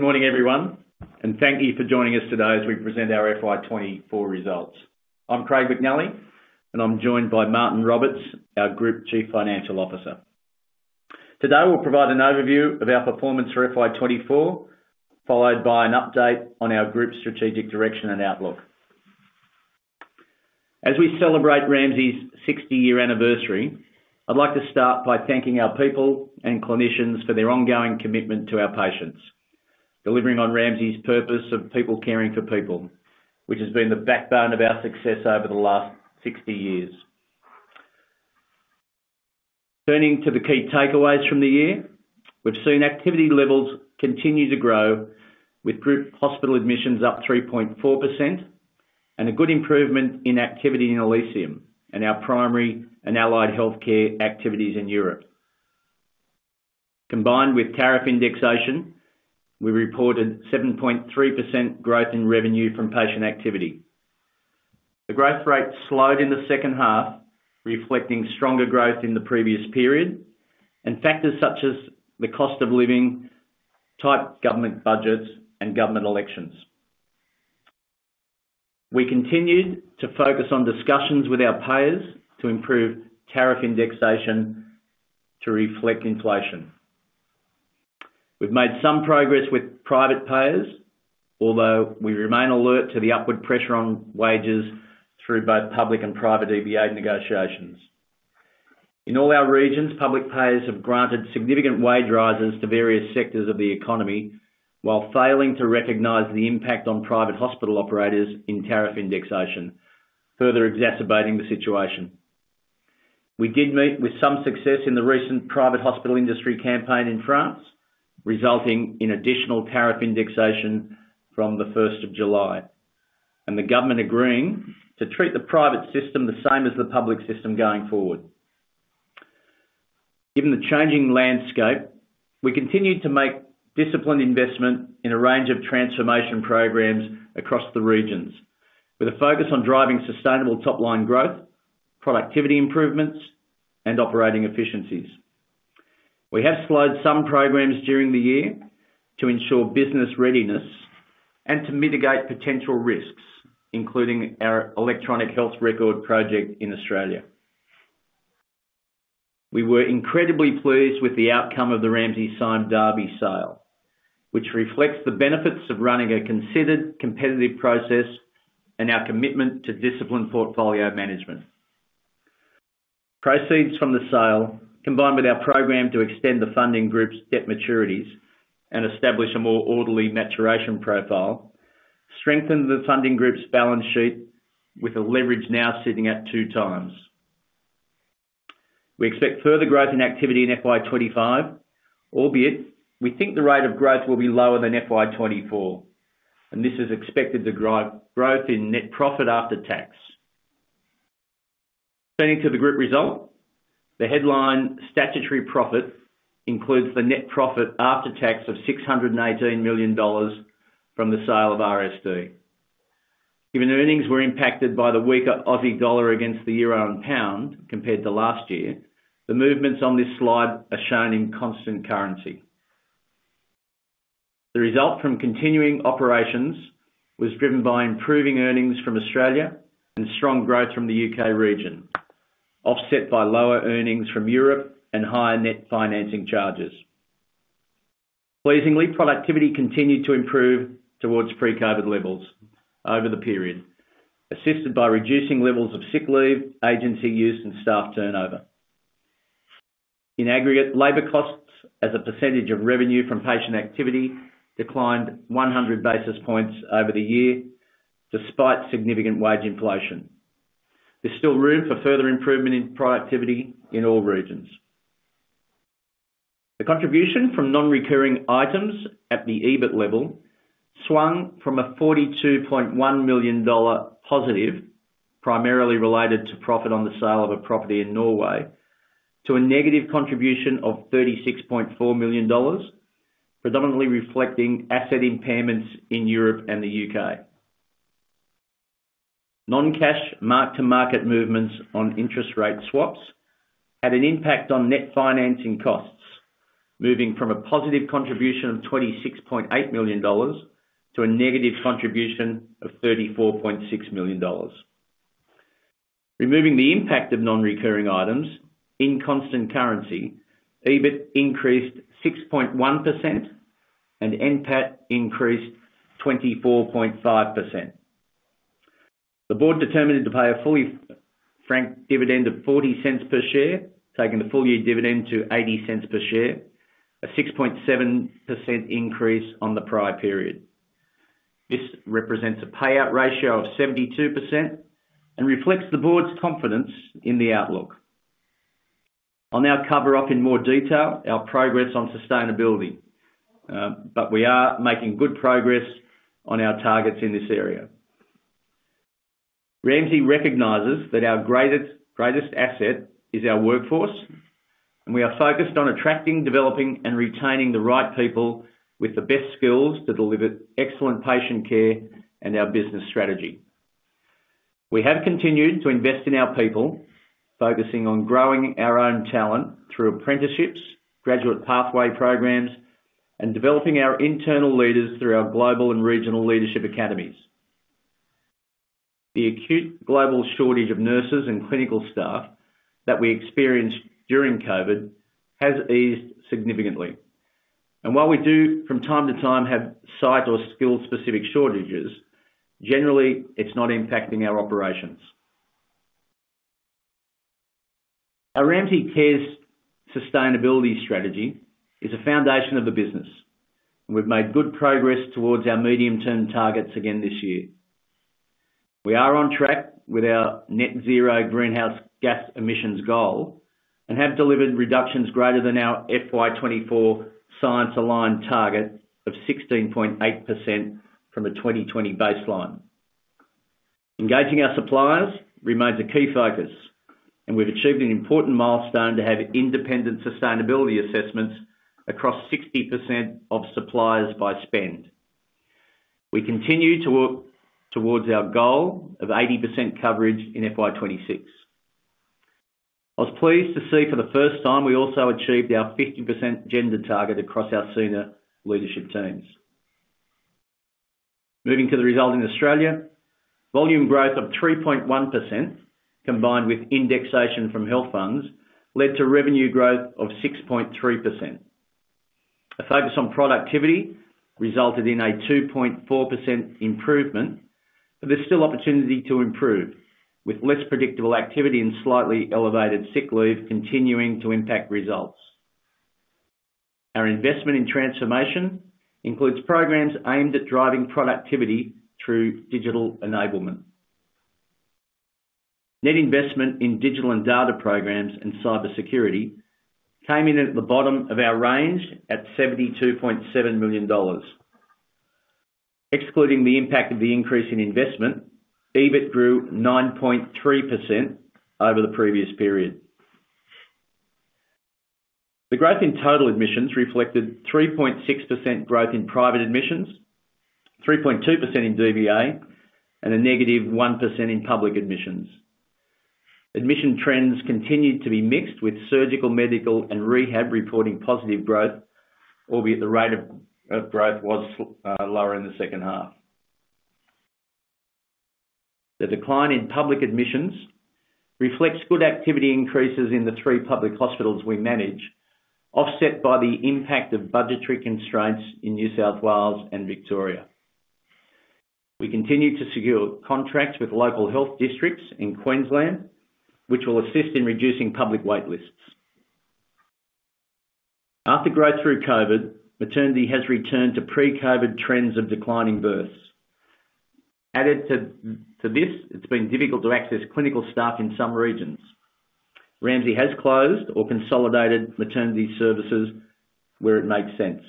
Good morning, everyone, and thank you for joining us today as we present our FY 2024 results. I'm Craig McNally, and I'm joined by Martyn Roberts, our Group Chief Financial Officer. Today, we'll provide an overview of our performance for FY2024, followed by an update on our group strategic direction and outlook. As we celebrate Ramsay's sixty-year anniversary, I'd like to start by thanking our people and clinicians for their ongoing commitment to our patients, delivering on Ramsay's purpose of people caring for people, which has been the backbone of our success over the last sixty years. Turning to the key takeaways from the year, we've seen activity levels continue to grow, with group hospital admissions up 3.4%, and a good improvement in activity in Elysium, and our primary and allied healthcare activities in Europe. Combined with tariff indexation, we reported 7.3% growth in revenue from patient activity. The growth rate slowed in the second half, reflecting stronger growth in the previous period, and factors such as the cost of living, tight government budgets, and government elections. We continued to focus on discussions with our payers to improve tariff indexation to reflect inflation. We've made some progress with private payers, although we remain alert to the upward pressure on wages through both public and private EBA negotiations. In all our regions, public payers have granted significant wage rises to various sectors of the economy, while failing to recognize the impact on private hospital operators in tariff indexation, further exacerbating the situation. We did meet with some success in the recent private hospital industry campaign in France, resulting in additional tariff indexation from the first of July, and the government agreeing to treat the private system the same as the public system going forward. Given the changing landscape, we continued to make disciplined investment in a range of transformation programs across the regions, with a focus on driving sustainable top-line growth, productivity improvements, and operating efficiencies. We have slowed some programs during the year to ensure business readiness and to mitigate potential risks, including our Electronic Health Record project in Australia. We were incredibly pleased with the outcome of the Ramsay Sime Darby sale, which reflects the benefits of running a considered, competitive process and our commitment to disciplined portfolio management. Proceeds from the sale, combined with our program to extend the funding group's debt maturities and establish a more orderly maturation profile, strengthened the funding group's balance sheet with the leverage now sitting at two times. We expect further growth in activity in FY 2025, albeit we think the rate of growth will be lower than FY 2024, and this is expected to drive growth in net profit after tax. Turning to the group result, the headline statutory profit includes the net profit after tax of 618 million dollars from the sale of RSD. Given the earnings were impacted by the weaker Aussie dollar against the euro and pound compared to last year, the movements on this slide are shown in constant currency. The result from continuing operations was driven by improving earnings from Australia and strong growth from the U.K. region, offset by lower earnings from Europe and higher net financing charges. Pleasingly, productivity continued to improve towards pre-COVID levels over the period, assisted by reducing levels of sick leave, agency use, and staff turnover. In aggregate, labor costs as a percentage of revenue from patient activity declined one hundred basis points over the year, despite significant wage inflation. There's still room for further improvement in productivity in all regions. The contribution from non-recurring items at the EBIT level swung from a 42.1 million dollar positive, primarily related to profit on the sale of a property in Norway, to a negative contribution of 36.4 million dollars, predominantly reflecting asset impairments in Europe and the U.K. Non-cash mark-to-market movements on interest rate swaps had an impact on net financing costs, moving from a positive contribution of 26.8 million dollars to a negative contribution of 34.6 million dollars. Removing the impact of non-recurring items in constant currency, EBIT increased 6.1%, and NPAT increased 24.5%. The board determined to pay a fully franked dividend of 0.40 per share, taking the full year dividend to 0.80 per share, a 6.7% increase on the prior period. This represents a payout ratio of 72% and reflects the board's confidence in the outlook. I'll now cover off in more detail our progress on sustainability, but we are making good progress on our targets in this area. Ramsay recognizes that our greatest asset is our workforce, and we are focused on attracting, developing, and retaining the right people with the best skills to deliver excellent patient care and our business strategy. We have continued to invest in our people, focusing on growing our own talent through apprenticeships, graduate pathway programs, and developing our internal leaders through our global and regional leadership academies. The acute global shortage of nurses and clinical staff that we experienced during COVID has eased significantly, and while we do, from time to time, have site or skill-specific shortages, generally, it's not impacting our operations. Our Ramsay Cares sustainability strategy is a foundation of the business, and we've made good progress towards our medium-term targets again this year. We are on track with our Net Zero greenhouse gas emissions goal, and have delivered reductions greater than our FY 2024 science aligned target of 16.8% from a 2020 baseline. Engaging our suppliers remains a key focus, and we've achieved an important milestone to have independent sustainability assessments across 60% of suppliers by spend. We continue to work towards our goal of 80% coverage in FY 2026. I was pleased to see for the first time, we also achieved our 50% gender target across our senior leadership teams. Moving to the result in Australia, volume growth of 3.1%, combined with indexation from health funds, led to revenue growth of 6.3%. A focus on productivity resulted in a 2.4% improvement, but there's still opportunity to improve, with less predictable activity and slightly elevated sick leave continuing to impact results. Our investment in transformation includes programs aimed at driving productivity through digital enablement. Net investment in digital and data programs and cybersecurity came in at the bottom of our range at 72.7 million dollars. Excluding the impact of the increase in investment, EBIT grew 9.3% over the previous period. The growth in total admissions reflected 3.6% growth in private admissions, 3.2% in DVA, and a -1% in public admissions. Admission trends continued to be mixed, with surgical, medical, and rehab reporting positive growth, albeit the rate of growth was lower in the second half. The decline in public admissions reflects good activity increases in the three public hospitals we manage, offset by the impact of budgetary constraints in New South Wales and Victoria. We continue to secure contracts with local health districts in Queensland, which will assist in reducing public wait lists. After growth through COVID, maternity has returned to pre-COVID trends of declining births. Added to this, it's been difficult to access clinical staff in some regions. Ramsay has closed or consolidated maternity services where it makes sense.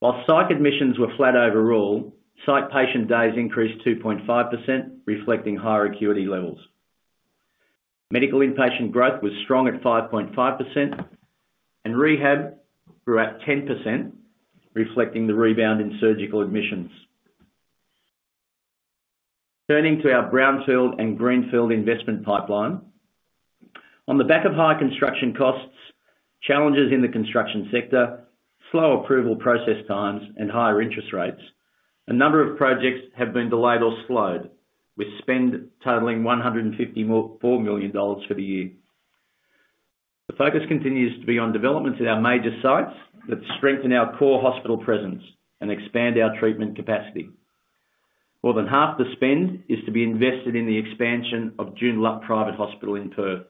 While psych admissions were flat overall, psych patient days increased 2.5%, reflecting higher acuity levels. Medical inpatient growth was strong at 5.5%, and rehab grew at 10%, reflecting the rebound in surgical admissions. Turning to our brownfield and greenfield investment pipeline. On the back of high construction costs, challenges in the construction sector, slow approval process times, and higher interest rates, a number of projects have been delayed or slowed, with spend totaling 154 million dollars for the year. The focus continues to be on developments at our major sites that strengthen our core hospital presence and expand our treatment capacity. More than half the spend is to be invested in the expansion of Joondalup Private Hospital in Perth.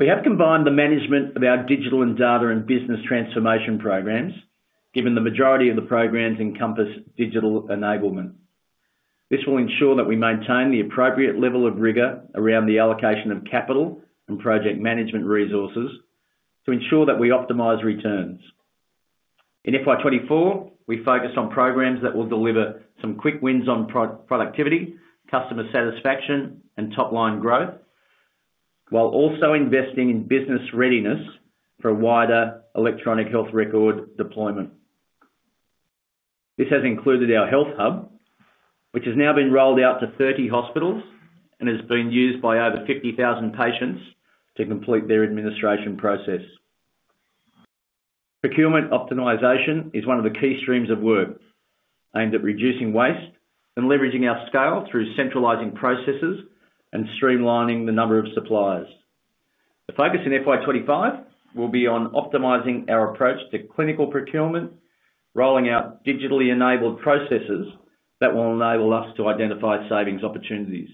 We have combined the management of our digital and data and business transformation programs, given the majority of the programs encompass digital enablement. This will ensure that we maintain the appropriate level of rigor around the allocation of capital and project management resources to ensure that we optimize returns. In FY 2024, we focused on programs that will deliver some quick wins on pro-productivity, customer satisfaction, and top-line growth, while also investing in business readiness for a wider electronic health record deployment. This has included our Health Hub, which has now been rolled out to 30 hospitals and has been used by over 50,000 patients to complete their administration process. Procurement optimization is one of the key streams of work aimed at reducing waste and leveraging our scale through centralizing processes and streamlining the number of suppliers. The focus in FY 2025 will be on optimizing our approach to clinical procurement, rolling out digitally enabled processes that will enable us to identify savings opportunities.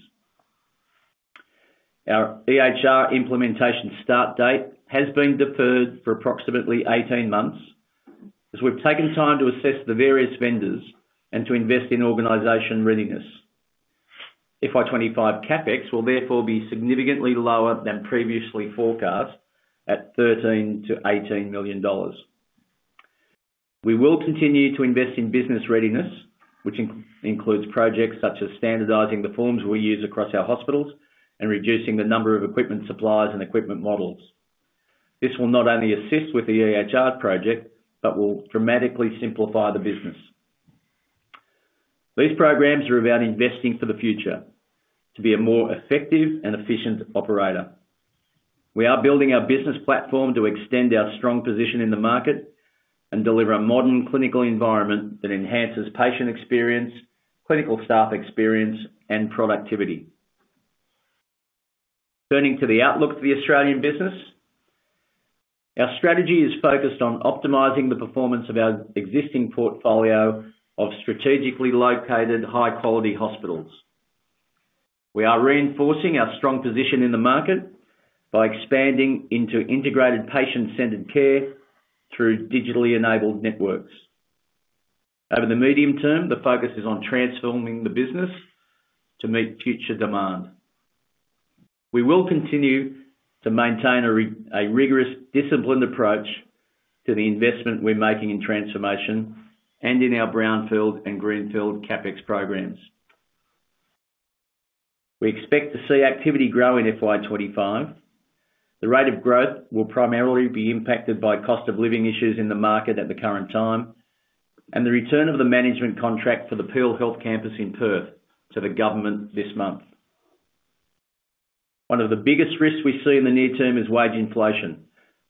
Our EHR implementation start date has been deferred for approximately 18 months, as we've taken time to assess the various vendors and to invest in organization readiness. FY 2025 CapEx will therefore be significantly lower than previously forecast, at 13-18 million dollars. We will continue to invest in business readiness, which includes projects such as standardizing the forms we use across our hospitals and reducing the number of equipment suppliers and equipment models. This will not only assist with the EHR project, but will dramatically simplify the business. These programs are about investing for the future to be a more effective and efficient operator. We are building our business platform to extend our strong position in the market and deliver a modern clinical environment that enhances patient experience, clinical staff experience, and productivity. Turning to the outlook for the Australian business, our strategy is focused on optimizing the performance of our existing portfolio of strategically located high-quality hospitals. We are reinforcing our strong position in the market by expanding into integrated patient-centered care through digitally enabled networks. Over the medium term, the focus is on transforming the business to meet future demand. We will continue to maintain a rigorous, disciplined approach to the investment we're making in transformation and in our brownfield and greenfield CapEx programs. We expect to see activity grow in FY25. The rate of growth will primarily be impacted by cost of living issues in the market at the current time, and the return of the management contract for the Peel Health Campus in Perth to the government this month. One of the biggest risks we see in the near term is wage inflation,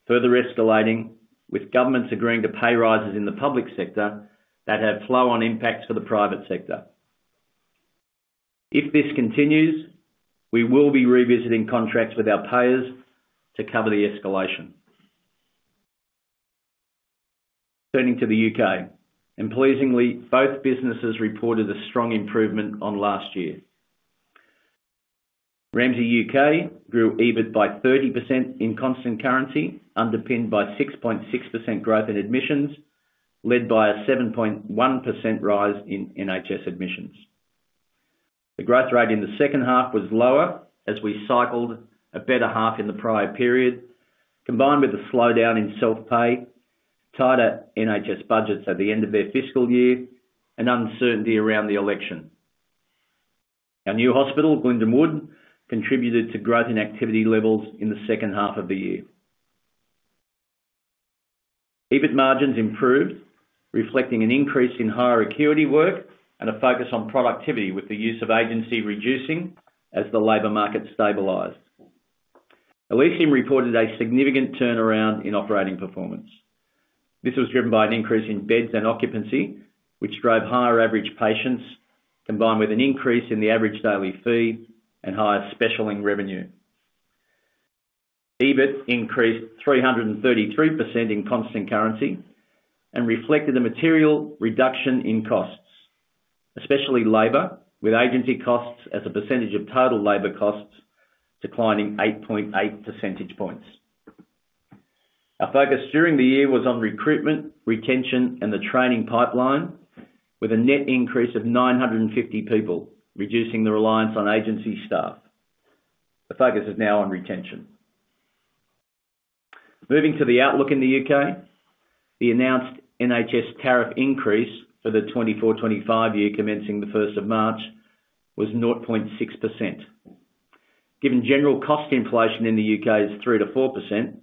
further escalating with governments agreeing to pay rises in the public sector that have flow-on impacts for the private sector. If this continues, we will be revisiting contracts with our payers to cover the escalation. Turning to the U.K., and pleasingly, both businesses reported a strong improvement on last year. Ramsay U.K. grew EBIT by 30% in constant currency, underpinned by 6.6% growth in admissions, led by a 7.1% rise in NHS admissions. The growth rate in the second half was lower, as we cycled a better half in the prior period, combined with a slowdown in self-pay, tighter NHS budgets at the end of their fiscal year, and uncertainty around the election. Our new hospital, Glendon Wood, contributed to growth in activity levels in the second half of the year. EBIT margins improved, reflecting an increase in higher acuity work and a focus on productivity, with the use of agency reducing as the labor market stabilized. Elysium reported a significant turnaround in operating performance. This was driven by an increase in beds and occupancy, which drove higher average patients, combined with an increase in the average daily fee and higher specialing revenue. EBIT increased 333% in constant currency and reflected a material reduction in costs, especially labor, with agency costs as a percentage of total labor costs declining 8.8 percentage points. Our focus during the year was on recruitment, retention, and the training pipeline, with a net increase of 950 people, reducing the reliance on agency staff. The focus is now on retention. Moving to the outlook in the U.K., the announced NHS tariff increase for the 2024/2025 year, commencing the first of March, was 0.6%. Given general cost inflation in the U.K. is 3 to 4%,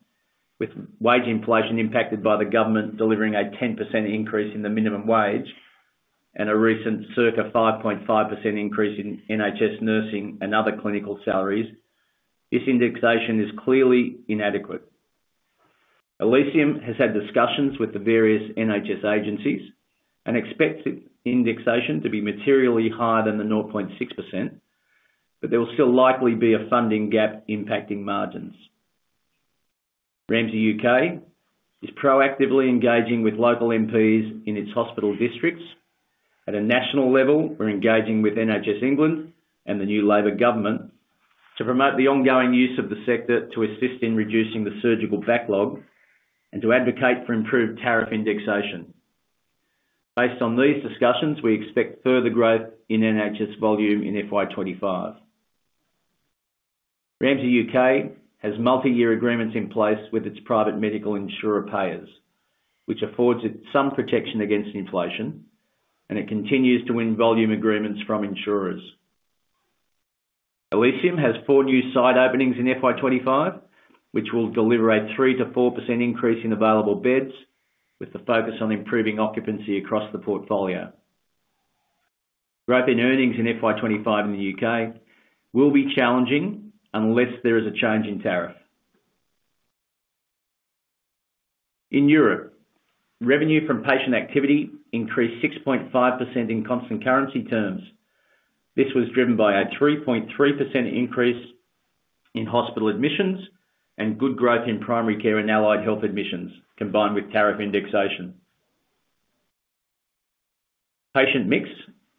with wage inflation impacted by the government delivering a 10% increase in the minimum wage and a recent circa 5.5% increase in NHS nursing and other clinical salaries, this indexation is clearly inadequate. Elysium has had discussions with the various NHS agencies and expects its indexation to be materially higher than the 0.6%, but there will still likely be a funding gap impacting margins. Ramsay U.K. is proactively engaging with local MPs in its hospital districts. At a national level, we're engaging with NHS England and the new Labour government to promote the ongoing use of the sector to assist in reducing the surgical backlog and to advocate for improved tariff indexation. Based on these discussions, we expect further growth in NHS volume in FY 2025. Ramsay U.K. has multi-year agreements in place with its private medical insurer payers, which affords it some protection against inflation, and it continues to win volume agreements from insurers. Elysium has four new site openings in FY 2025, which will deliver a 3 to 4% increase in available beds, with the focus on improving occupancy across the portfolio. Growth in earnings in FY 2025 in the U.K. will be challenging unless there is a change in tariff. In Europe, revenue from patient activity increased 6.5% in constant currency terms. This was driven by a 3.3% increase in hospital admissions and good growth in primary care and allied health admissions, combined with tariff indexation. Patient mix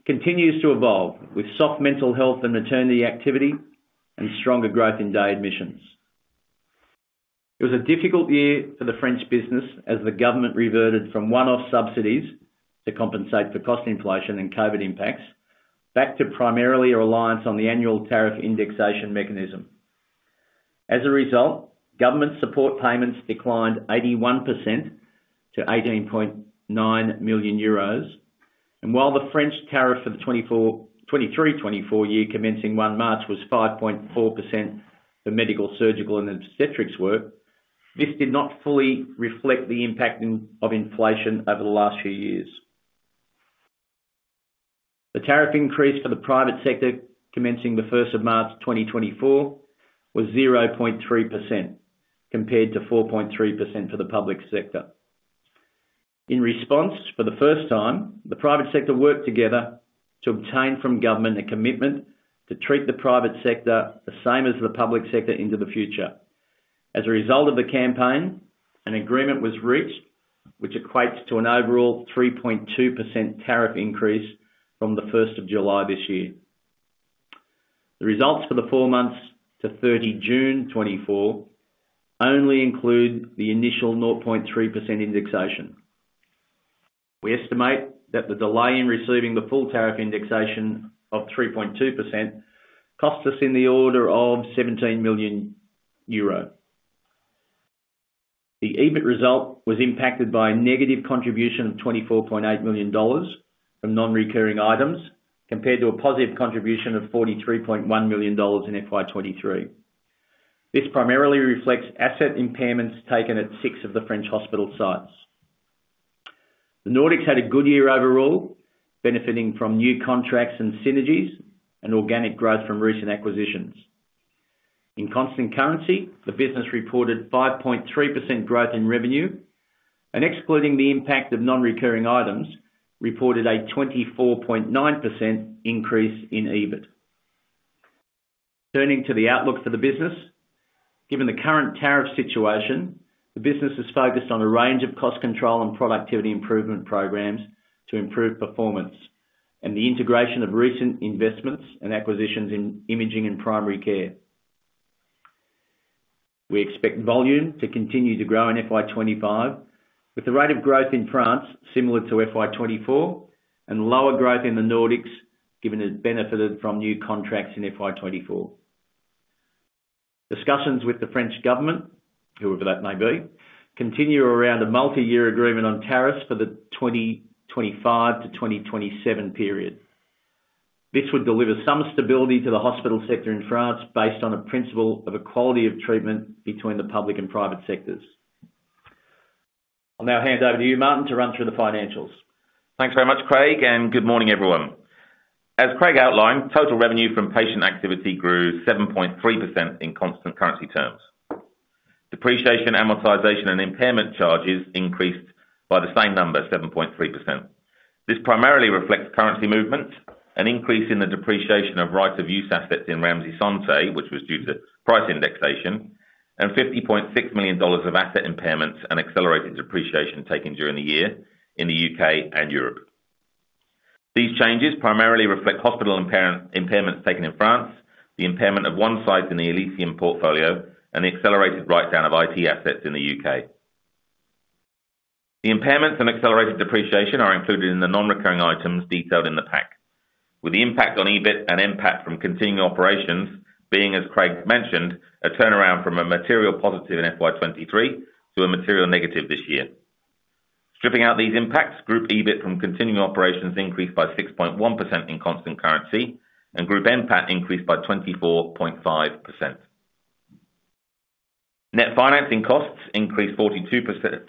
continues to evolve, with soft mental health and maternity activity, and stronger growth in day admissions. It was a difficult year for the French business, as the government reverted from one-off subsidies to compensate for cost inflation and COVID impacts back to primarily a reliance on the annual tariff indexation mechanism. As a result, government support payments declined 81% to 18.9 million euros, and while the French tariff for the 2024, 2023-2024 year commencing one March was 5.4% for medical, surgical, and obstetrics work, this did not fully reflect the impact of inflation over the last few years. The tariff increase for the private sector, commencing the first of March 2024, was 0.3%, compared to 4.3% for the public sector. In response, for the first time, the private sector worked together to obtain from government a commitment to treat the private sector the same as the public sector into the future. As a result of the campaign, an agreement was reached, which equates to an overall 3.2% tariff increase from the first of July this year. The results for the four months to 30 June 2024 only include the initial 0.3% indexation. We estimate that the delay in receiving the full tariff indexation of 3.2%, cost us in the order of 17 million euro. The EBIT result was impacted by a negative contribution of $24.8 million from non-recurring items, compared to a positive contribution of $43.1 million in FY 2023. This primarily reflects asset impairments taken at 6 of the French hospital sites. The Nordics had a good year overall, benefiting from new contracts and synergies, and organic growth from recent acquisitions. In constant currency, the business reported 5.3% growth in revenue, and excluding the impact of non-recurring items, reported a 24.9% increase in EBIT. Turning to the outlook for the business. Given the current tariff situation, the business is focused on a range of cost control and productivity improvement programs to improve performance, and the integration of recent investments and acquisitions in imaging and primary care. We expect volume to continue to grow in FY 2025, with the rate of growth in France similar to FY 2024, and lower growth in the Nordics, given it benefited from new contracts in FY 2024. Discussions with the French government, whoever that may be, continue around a multi-year agreement on tariffs for the 2025-2027 period. This would deliver some stability to the hospital sector in France, based on a principle of equality of treatment between the public and private sectors. I'll now hand over to you, Martyn, to run through the financials. Thanks very much, Craig, and good morning, everyone. As Craig outlined, total revenue from patient activity grew 7.3% in constant currency terms. Depreciation, amortization, and impairment charges increased by the same number, 7.3%. This primarily reflects currency movements, an increase in the depreciation of right of use assets in Ramsay Santé, which was due to price indexation, and 50.6 million dollars of asset impairments and accelerated depreciation taken during the year in the U.K. and Europe. These changes primarily reflect hospital impairments taken in France, the impairment of one site in the Elysium portfolio, and the accelerated write-down of IT assets in the U.K. The impairments and accelerated depreciation are included in the non-recurring items detailed in the pack, with the impact on EBIT and impact from continuing operations being, as Craig mentioned, a turnaround from a material positive in FY 2023 to a material negative this year. Stripping out these impacts, Group EBIT from continuing operations increased by 6.1% in constant currency, and Group NPAT increased by 24.5%. Net financing costs increased 42%,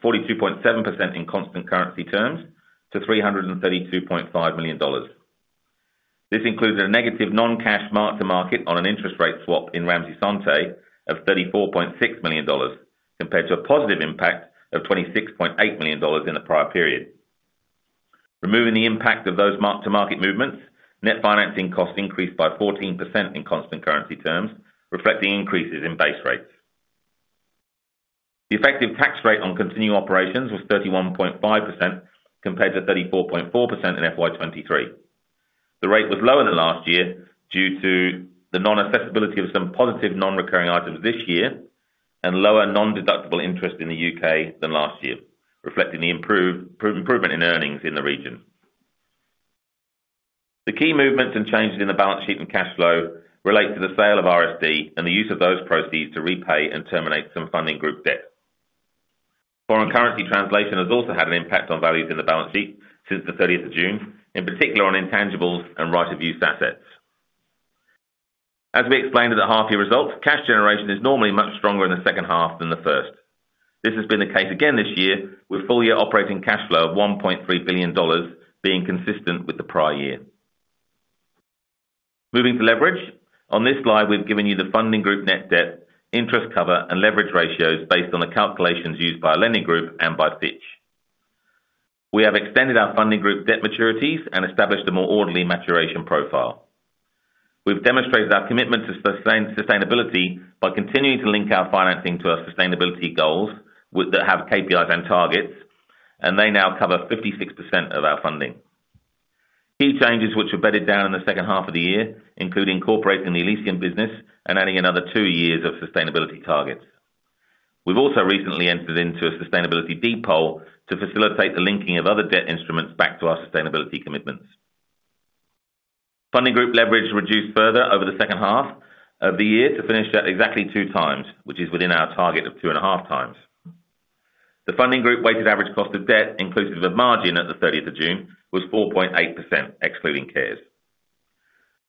42.7% in constant currency terms to 332.5 million dollars. This includes a negative non-cash mark-to-market on an interest rate swap in Ramsay Santé of AUD 34.6 million, compared to a positive impact of AUD 26.8 million in the prior period. Removing the impact of those mark-to-market movements, net financing costs increased by 14% in constant currency terms, reflecting increases in base rates. The effective tax rate on continuing operations was 31.5%, compared to 34.4% in FY 2023. The rate was lower than last year due to the non-assessability of some positive non-recurring items this year, and lower nondeductible interest in the U.K. than last year, reflecting the improvement in earnings in the region. The key movements and changes in the balance sheet and cash flow relate to the sale of RSD and the use of those proceeds to repay and terminate some funding group debt. Foreign currency translation has also had an impact on values in the balance sheet since the thirtieth of June, in particular on intangibles and right of use assets. As we explained in the half-year results, cash generation is normally much stronger in the second half than the first. This has been the case again this year, with full year operating cash flow of 1.3 billion dollars being consistent with the prior year. Moving to leverage. On this slide, we've given you the funding group net debt, interest cover, and leverage ratios based on the calculations used by our lending group and by Fitch. We have extended our funding group debt maturities and established a more orderly maturation profile. We've demonstrated our commitment to sustainability by continuing to link our financing to our sustainability goals, with those that have KPIs and targets, and they now cover 56% of our funding. Key changes, which are bedded down in the second half of the year, include incorporating the Elysium business and adding another two years of sustainability targets. We've also recently entered into a sustainability deal, to facilitate the linking of other debt instruments back to our sustainability commitments. Funding group leverage reduced further over the second half of the year to finish at exactly two times, which is within our target of two and a half times. The funding group weighted average cost of debt, inclusive of margin at the thirtieth of June, was 4.8%, excluding Cares.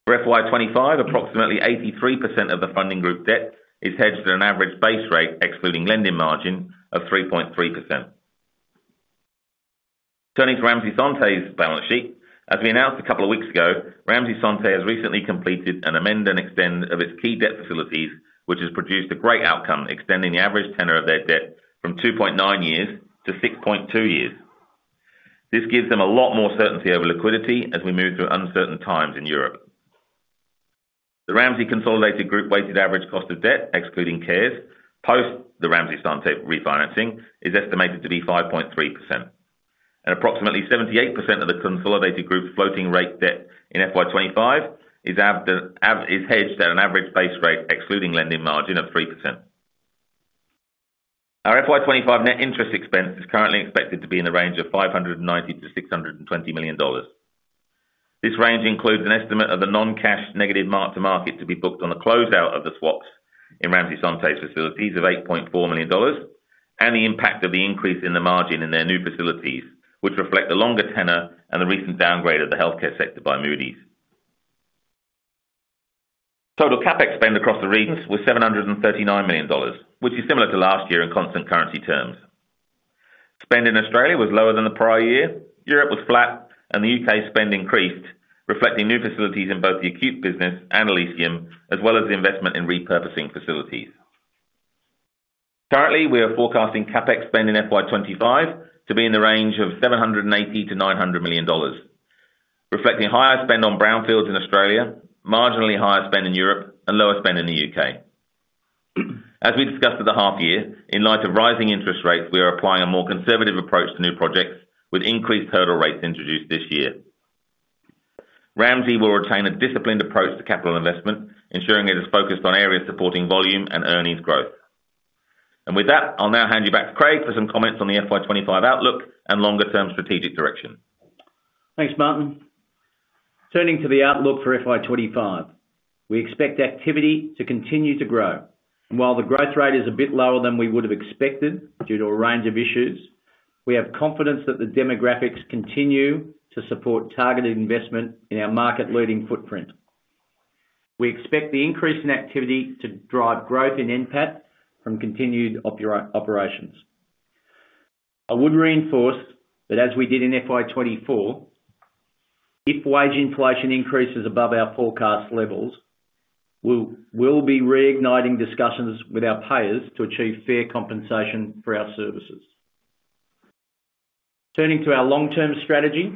For FY 2025, approximately 83% of the funding group debt is hedged at an average base rate, excluding lending margin of 3.3%. Turning to Ramsay Santé's balance sheet. As we announced a couple of weeks ago, Ramsay Santé has recently completed an amend and extend of its key debt facilities, which has produced a great outcome, extending the average tenure of their debt from 2.9 years to 6.2 years. This gives them a lot more certainty over liquidity as we move through uncertain times in Europe. The Ramsay consolidated group weighted average cost of debt, excluding Cares, post the Ramsay Santé refinancing, is estimated to be 5.3%, and approximately 78% of the consolidated group's floating rate debt in FY 2025 is hedged at an average base rate, excluding lending margin of 3%. Our FY 2025 net interest expense is currently expected to be in the range of 590 million-620 million dollars. This range includes an estimate of the non-cash negative mark-to-market to be booked on the closeout of the swaps in Ramsay Santé's facilities of 8.4 million dollars, and the impact of the increase in the margin in their new facilities, which reflect the longer tenure and the recent downgrade of the healthcare sector by Moody's. Total CapEx spend across the regions was 739 million dollars, which is similar to last year in constant currency terms. Spend in Australia was lower than the prior year, Europe was flat, and the U.K. spend increased, reflecting new facilities in both the acute business and Elysium, as well as the investment in repurposing facilities. Currently, we are forecasting CapEx spend in FY 2025 to be in the range of 780 million-900 million dollars, reflecting higher spend on brownfields in Australia, marginally higher spend in Europe, and lower spend in the U.K. As we discussed at the half year, in light of rising interest rates, we are applying a more conservative approach to new projects, with increased hurdle rates introduced this year. Ramsay will retain a disciplined approach to capital investment, ensuring it is focused on areas supporting volume and earnings growth. And with that, I'll now hand you back to Craig for some comments on the FY25 outlook and longer term strategic direction. Thanks, Martyn. Turning to the outlook for FY25. We expect activity to continue to grow, and while the growth rate is a bit lower than we would have expected due to a range of issues, we have confidence that the demographics continue to support targeted investment in our market-leading footprint. We expect the increase in activity to drive growth in NPAT from continued operations. I would reinforce that as we did in FY24, if wage inflation increases above our forecast levels, we'll be reigniting discussions with our payers to achieve fair compensation for our services. Turning to our long-term strategy,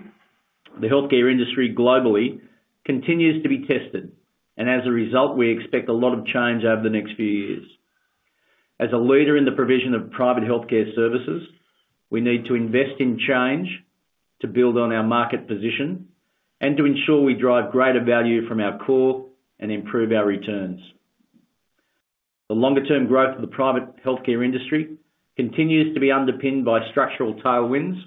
the healthcare industry globally continues to be tested, and as a result, we expect a lot of change over the next few years. As a leader in the provision of private healthcare services, we need to invest in change to build on our market position and to ensure we drive greater value from our core and improve our returns. The longer term growth of the private healthcare industry continues to be underpinned by structural tailwinds,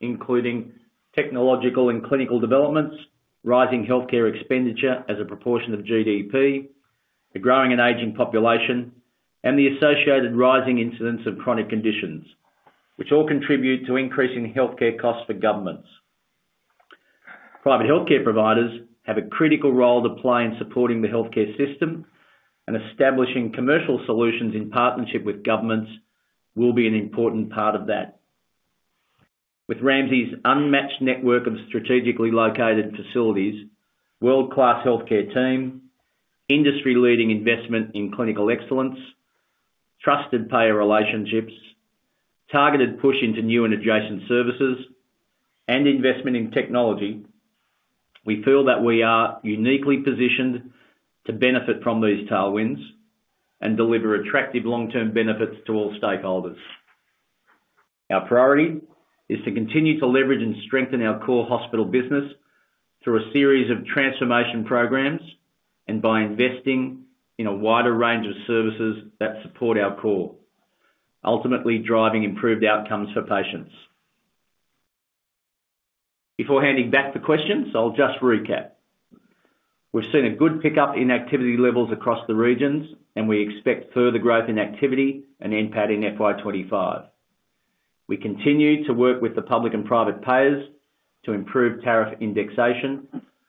including technological and clinical developments, rising healthcare expenditure as a proportion of GDP, a growing and aging population, and the associated rising incidence of chronic conditions, which all contribute to increasing healthcare costs for governments. Private healthcare providers have a critical role to play in supporting the healthcare system, and establishing commercial solutions in partnership with governments will be an important part of that. With Ramsay's unmatched network of strategically located facilities, world-class healthcare team, industry-leading investment in clinical excellence, trusted payer relationships, targeted push into new and adjacent services, and investment in technology, we feel that we are uniquely positioned to benefit from these tailwinds and deliver attractive long-term benefits to all stakeholders. Our priority is to continue to leverage and strengthen our core hospital business through a series of transformation programs and by investing in a wider range of services that support our core, ultimately driving improved outcomes for patients. Before handing back the questions, I'll just recap. We've seen a good pickup in activity levels across the regions, and we expect further growth in activity and NPAT in FY25. We continue to work with the public and private payers to improve tariff indexation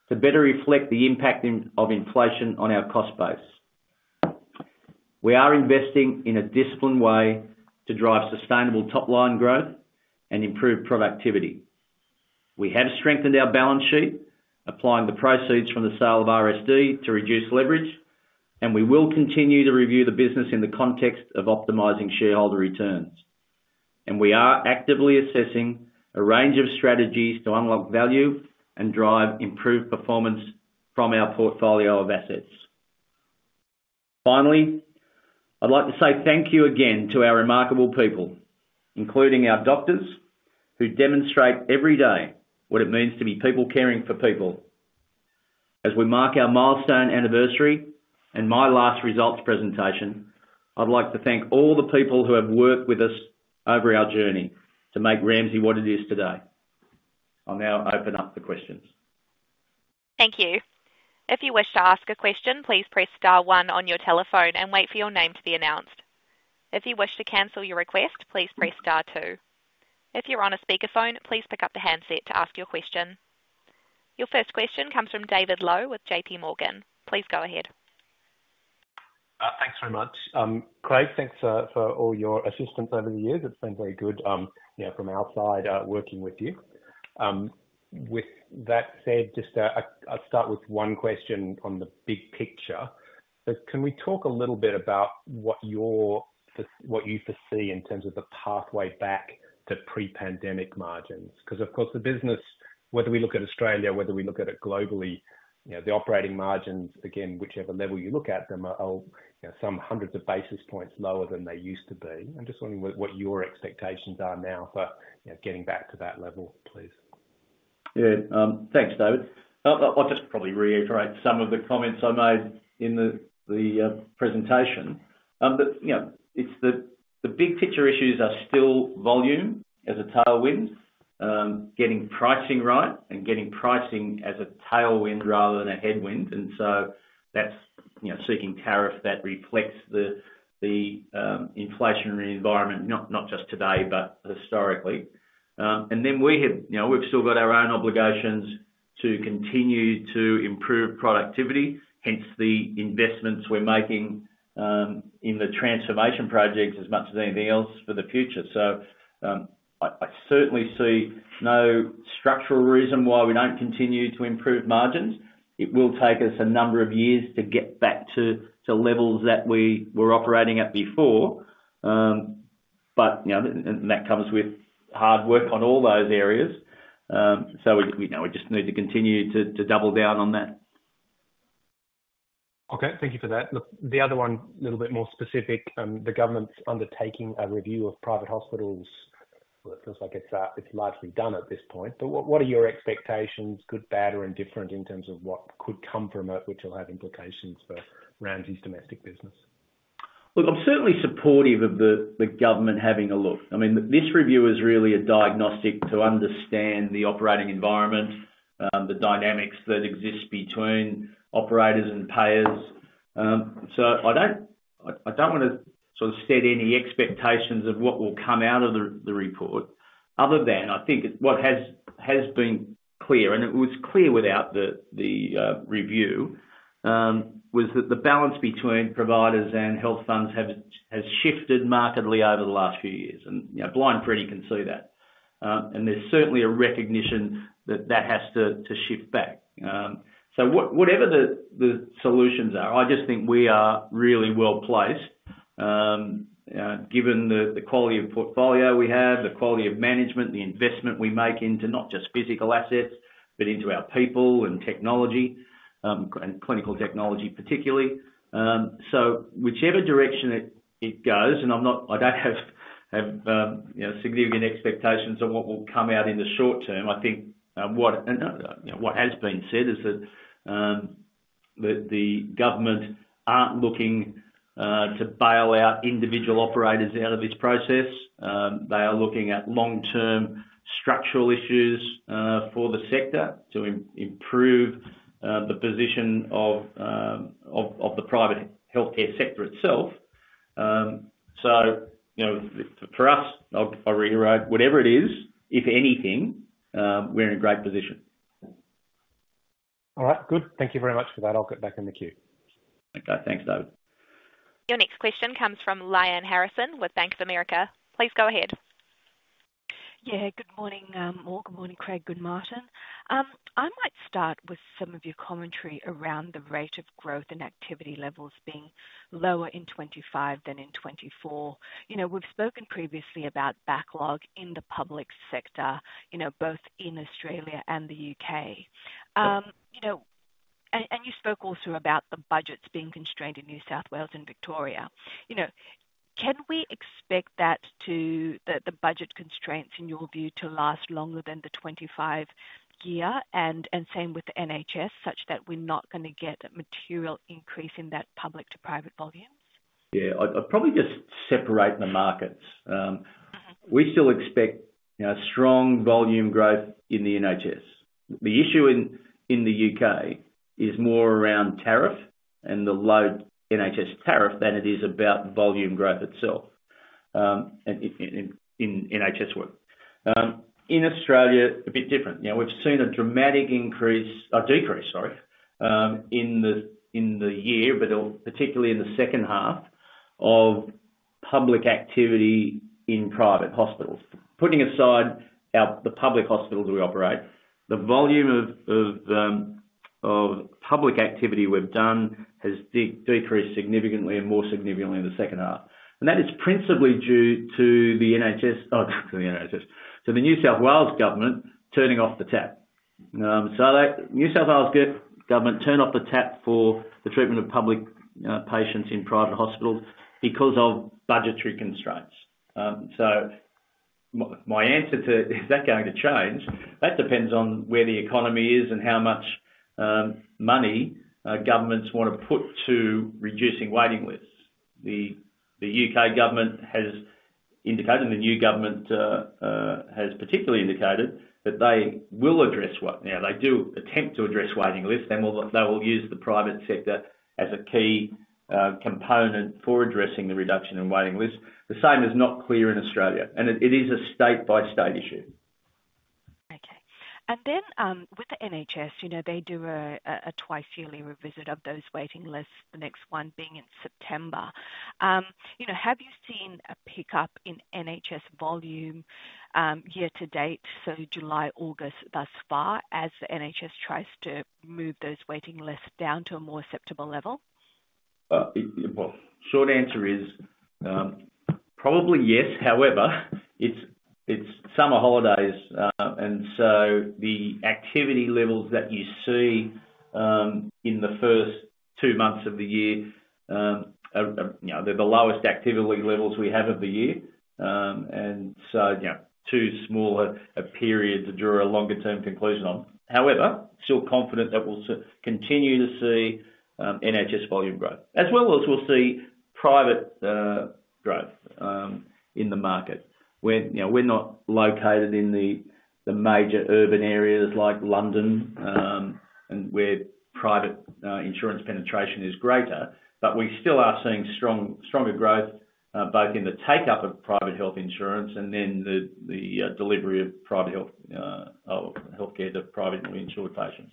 to better reflect the impact of inflation on our cost base. We are investing in a disciplined way to drive sustainable top-line growth and improve productivity. We have strengthened our balance sheet, applying the proceeds from the sale of RSD to reduce leverage, and we will continue to review the business in the context of optimizing shareholder returns. And we are actively assessing a range of strategies to unlock value and drive improved performance from our portfolio of assets. Finally, I'd like to say thank you again to our remarkable people, including our doctors, who demonstrate every day what it means to be people caring for people. As we mark our milestone anniversary and my last results presentation. I'd like to thank all the people who have worked with us over our journey to make Ramsay what it is today. I'll now open up the questions. Thank you. If you wish to ask a question, please press star one on your telephone and wait for your name to be announced. If you wish to cancel your request, please press star two. If you're on a speakerphone, please pick up the handset to ask your question. Your first question comes from David Lowe with J.P. Morgan. Please go ahead. Thanks very much. Craig, thanks for all your assistance over the years. It's been very good, you know, from outside, working with you. With that said, just, I'll start with one question on the big picture. But can we talk a little bit about what you foresee in terms of the pathway back to pre-pandemic margins? Because, of course, the business, whether we look at Australia, whether we look at it globally, you know, the operating margins, again, whichever level you look at them, are, you know, some hundreds of basis points lower than they used to be. I'm just wondering what your expectations are now for, you know, getting back to that level, please. Yeah, thanks, David. I'll just probably reiterate some of the comments I made in the presentation. But, you know, it's the big picture issues are still volume as a tailwind, getting pricing right and getting pricing as a tailwind rather than a headwind. And so that's, you know, seeking tariff that reflects the inflationary environment, not just today, but historically. And then we have... You know, we've still got our own obligations to continue to improve productivity, hence the investments we're making in the transformation projects as much as anything else for the future. So, I certainly see no structural reason why we don't continue to improve margins. It will take us a number of years to get back to levels that we were operating at before. But, you know, and that comes with hard work on all those areas. So we, you know, we just need to continue to double down on that. Okay. Thank you for that. Look, the other one, a little bit more specific, the government's undertaking a review of private hospitals, well, it feels like it's largely done at this point, but what are your expectations, good, bad, or indifferent, in terms of what could come from it, which will have implications for Ramsay's domestic business? Look, I'm certainly supportive of the government having a look. I mean, this review is really a diagnostic to understand the operating environment, the dynamics that exist between operators and payers. So I don't wanna sort of set any expectations of what will come out of the report, other than I think what has been clear, and it was clear without the review, was that the balance between providers and health funds has shifted markedly over the last few years, and you know, blind Freddy can see that. And there's certainly a recognition that that has to shift back. So whatever the solutions are, I just think we are really well placed, given the quality of portfolio we have, the quality of management, the investment we make into not just physical assets, but into our people and technology, and clinical technology particularly. So whichever direction it goes, and I'm not, I don't have, you know, significant expectations on what will come out in the short term. I think, you know, what has been said is that the government aren't looking to bail out individual operators out of this process. They are looking at long-term structural issues for the sector to improve the position of the private healthcare sector itself. So, you know, for us, I'll reiterate, whatever it is, if anything, we're in a great position. All right. Good. Thank you very much for that. I'll get back in the queue. Okay. Thanks, David. Your next question comes from Lyanne Harrison with Bank of America. Please go ahead. Yeah. Good morning, all. Good morning, Craig. Good morning. I might start with some of your commentary around the rate of growth and activity levels being lower in 2025 than in 2024. You know, we've spoken previously about backlog in the public sector, you know, both in Australia and the U.K. You know, and you spoke also about the budgets being constrained in New South Wales and Victoria. You know, can we expect the budget constraints, in your view, to last longer than the 2025 year, and same with the NHS, such that we're not gonna get a material increase in that public to private volume? Yeah. I'd probably just separate the markets. Mm-hmm. We still expect, you know, strong volume growth in the NHS. The issue in, in the U.K. is more around tariff and the low NHS tariff than it is about volume growth itself, in, in, in NHS work. In Australia, a bit different. You know, we've seen a dramatic increase, or decrease, sorry, in the, in the year, but particularly in the second half of public activity in private hospitals. Putting aside our, the public hospitals we operate, the volume of, of, of public activity we've done has decreased significantly and more significantly in the second half. And that is principally due to the NHS, to the NHS, to the New South Wales government turning off the tap. So that New South Wales government turned off the tap for the treatment of public, patients in private hospitals because of budgetary constraints. My answer to, is that going to change? That depends on where the economy is and how much money governments want to put to reducing waiting lists. The U.K. government has indicated, and the new government has particularly indicated, that they will address waiting lists. They do attempt to address waiting lists, and they will use the private sector as a key component for addressing the reduction in waiting lists. The same is not clear in Australia, and it is a state-by-state issue. Okay. And then, with the NHS, you know, they do a twice yearly revisit of those waiting lists, the next one being in September. You know, have you seen a pickup in NHS volume, year to date, so July, August, thus far, as the NHS tries to move those waiting lists down to a more acceptable level? Well, short answer is probably yes. However, it's summer holidays, and so the activity levels that you see in the first two months of the year are, you know, they're the lowest activity levels we have of the year. And so, you know, too small a period to draw a longer term conclusion on. However, still confident that we'll continue to see NHS volume growth, as well as we'll see private growth in the market. We're, you know, we're not located in the major urban areas like London, and where private insurance penetration is greater, but we still are seeing stronger growth both in the take-up of private health insurance and then the delivery of private healthcare to private insured patients.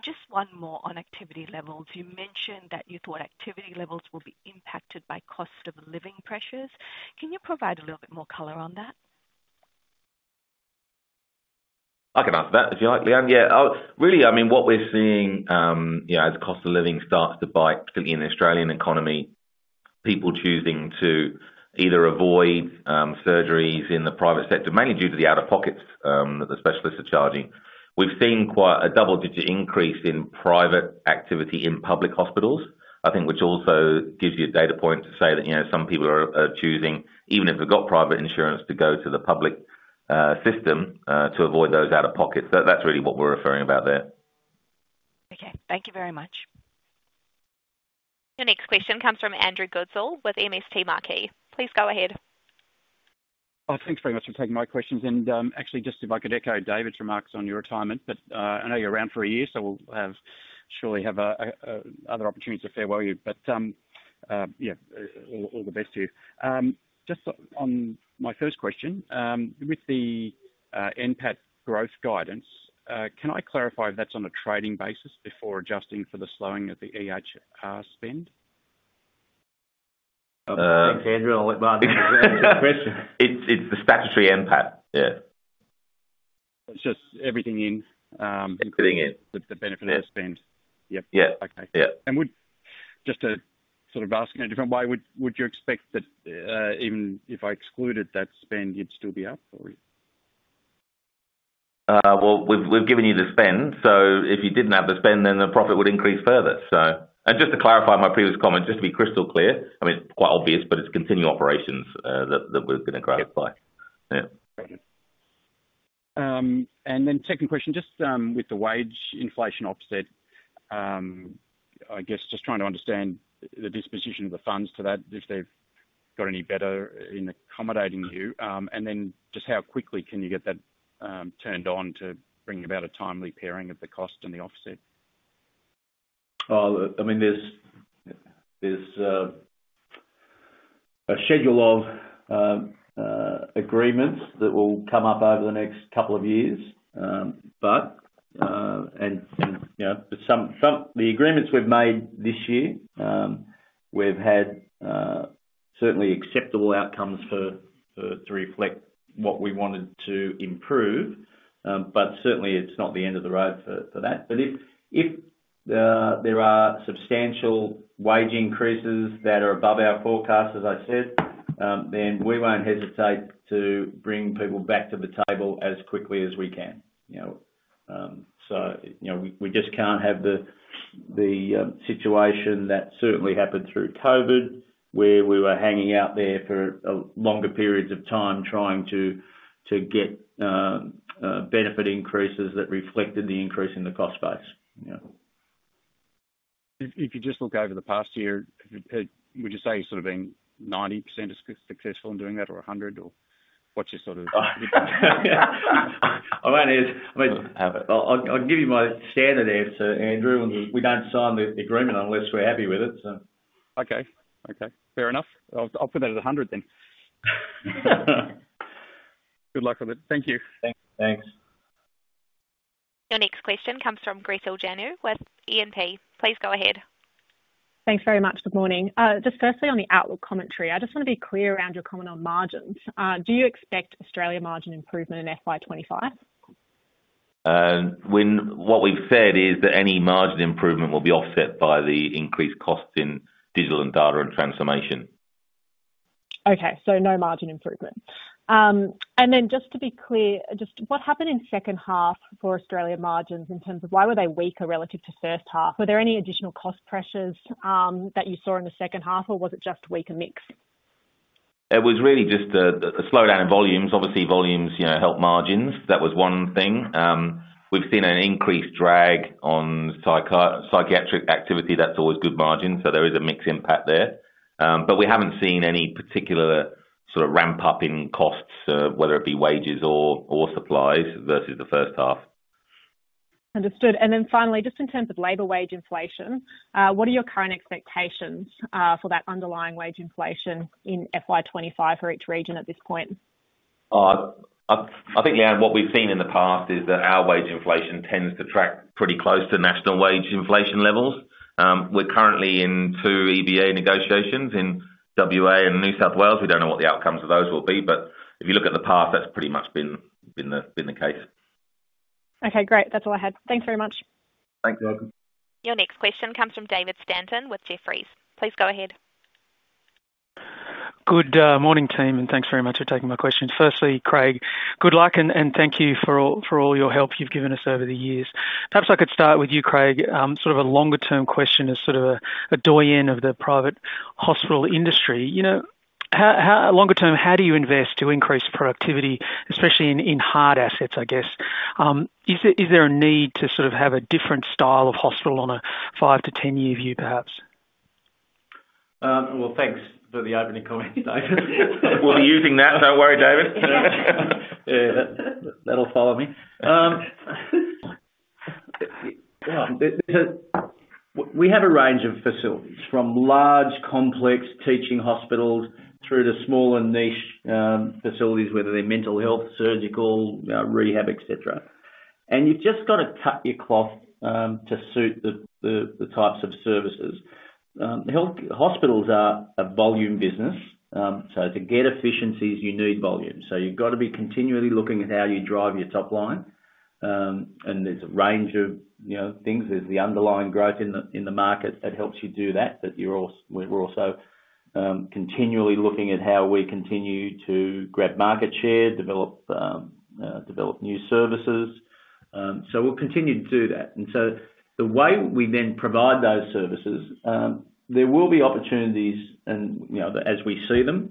Just one more on activity levels. You mentioned that you thought activity levels will be impacted by cost of living pressures. Can you provide a little bit more color on that? I can answer that, if you like, Lyanne. Yeah, really, I mean, what we're seeing, you know, as the cost of living starts to bite, particularly in the Australian economy, people choosing to either avoid surgeries in the private sector, mainly due to the out-of-pockets that the specialists are charging. We've seen quite a double-digit increase in private activity in public hospitals, I think, which also gives you a data point to say that, you know, some people are choosing, even if they've got private insurance, to go to the public system to avoid those out-of-pockets. That's really what we're referring about there. Okay. Thank you very much. Your next question comes from Andrew Goodsall with MST Marquee. Please go ahead. Oh, thanks very much for taking my questions. And, actually, just if I could echo David's remarks on your retirement, but I know you're around for a year, so we'll surely have other opportunities to farewell you. But, yeah, all the best to you. Just on my first question, with the NPAT growth guidance, can I clarify if that's on a trading basis before adjusting for the slowing of the EHR spend? Andrew, I'll let Mark- It's the statutory NPAT. Yeah. It's just everything in, Everything in. With the benefit of the spend. Yeah. Yep. Yeah. Okay. Yeah. Would... Just to sort of ask in a different way, would you expect that, even if I excluded that spend, you'd still be up for it? Well, we've given you the spend, so if you didn't have the spend, then the profit would increase further, so. And just to clarify my previous comment, just to be crystal clear, I mean, it's quite obvious, but it's continuing operations that we're gonna grow it by. Yep. Yeah. Thank you. And then second question, just with the wage inflation offset, I guess just trying to understand the disposition of the funds to that, if they've got any better in accommodating you? And then just how quickly can you get that turned on to bring about a timely pairing of the cost and the offset? Well, I mean, there's a schedule of agreements that will come up over the next couple of years. But you know, but the agreements we've made this year, we've had certainly acceptable outcomes to reflect what we wanted to improve, but certainly it's not the end of the road for that. But if there are substantial wage increases that are above our forecast, as I said, then we won't hesitate to bring people back to the table as quickly as we can, you know? You know, we just can't have the situation that certainly happened through COVID, where we were hanging out there for longer periods of time trying to get benefit increases that reflected the increase in the cost base, you know. If you just look over the past year, would you say you've sort of been 90% successful in doing that, or 100%, or what's your sort of- I mean, I'll give you my standard answer, Andrew. We don't sign the agreement unless we're happy with it, so. Okay. Okay, fair enough. I'll, I'll put that at a hundred then. Good luck with it. Thank you. Thanks. Thanks. Your next question comes from Grace Ojanu, with E&P Financial Group. Please go ahead. Thanks very much. Good morning. Just firstly, on the outlook commentary, I just want to be clear around your comment on margins. Do you expect Australia margin improvement in FY 2025? What we've said is that any margin improvement will be offset by the increased costs in digital and data and transformation. Okay, so no margin improvement? And then just to be clear, just what happened in second half for Australian margins in terms of why were they weaker relative to first half? Were there any additional cost pressures that you saw in the second half, or was it just weaker mix? It was really just a slowdown in volumes. Obviously, volumes, you know, help margins. That was one thing. We've seen an increased drag on psychiatric activity. That's always good margin, so there is a mix impact there. But we haven't seen any particular sort of ramp up in costs, whether it be wages or supplies versus the first half. Understood. And then finally, just in terms of labor wage inflation, what are your current expectations for that underlying wage inflation in FY 2025 for each region at this point? I think, yeah, what we've seen in the past is that our wage inflation tends to track pretty close to national wage inflation levels. We're currently in two EBA negotiations in WA and New South Wales. We don't know what the outcomes of those will be, but if you look at the past, that's pretty much been the case. Okay, great. That's all I had. Thanks very much. Thanks, welcome. Your next question comes from David Stanton with Jefferies. Please go ahead. Good morning, team, and thanks very much for taking my questions. Firstly, Craig, good luck and thank you for all your help you've given us over the years. Perhaps I could start with you, Craig. Sort of a longer-term question as sort of a doyen of the private hospital industry. You know, longer term, how do you invest to increase productivity, especially in hard assets, I guess? Is there a need to sort of have a different style of hospital on a five to 10-year view, perhaps? Well, thanks for the opening comments, David. We'll be using that. Don't worry, David. Yeah, that, that'll follow me. We have a range of facilities, from large, complex teaching hospitals through to small and niche facilities, whether they're mental health, surgical, rehab, et cetera. And you've just got to cut your cloth to suit the types of services. Hospitals are a volume business, so to get efficiencies, you need volume. So you've got to be continually looking at how you drive your top line. And there's a range of, you know, things. There's the underlying growth in the market that helps you do that, but we're also continually looking at how we continue to grab market share, develop new services. So we'll continue to do that. And so the way we then provide those services, there will be opportunities and, you know, as we see them,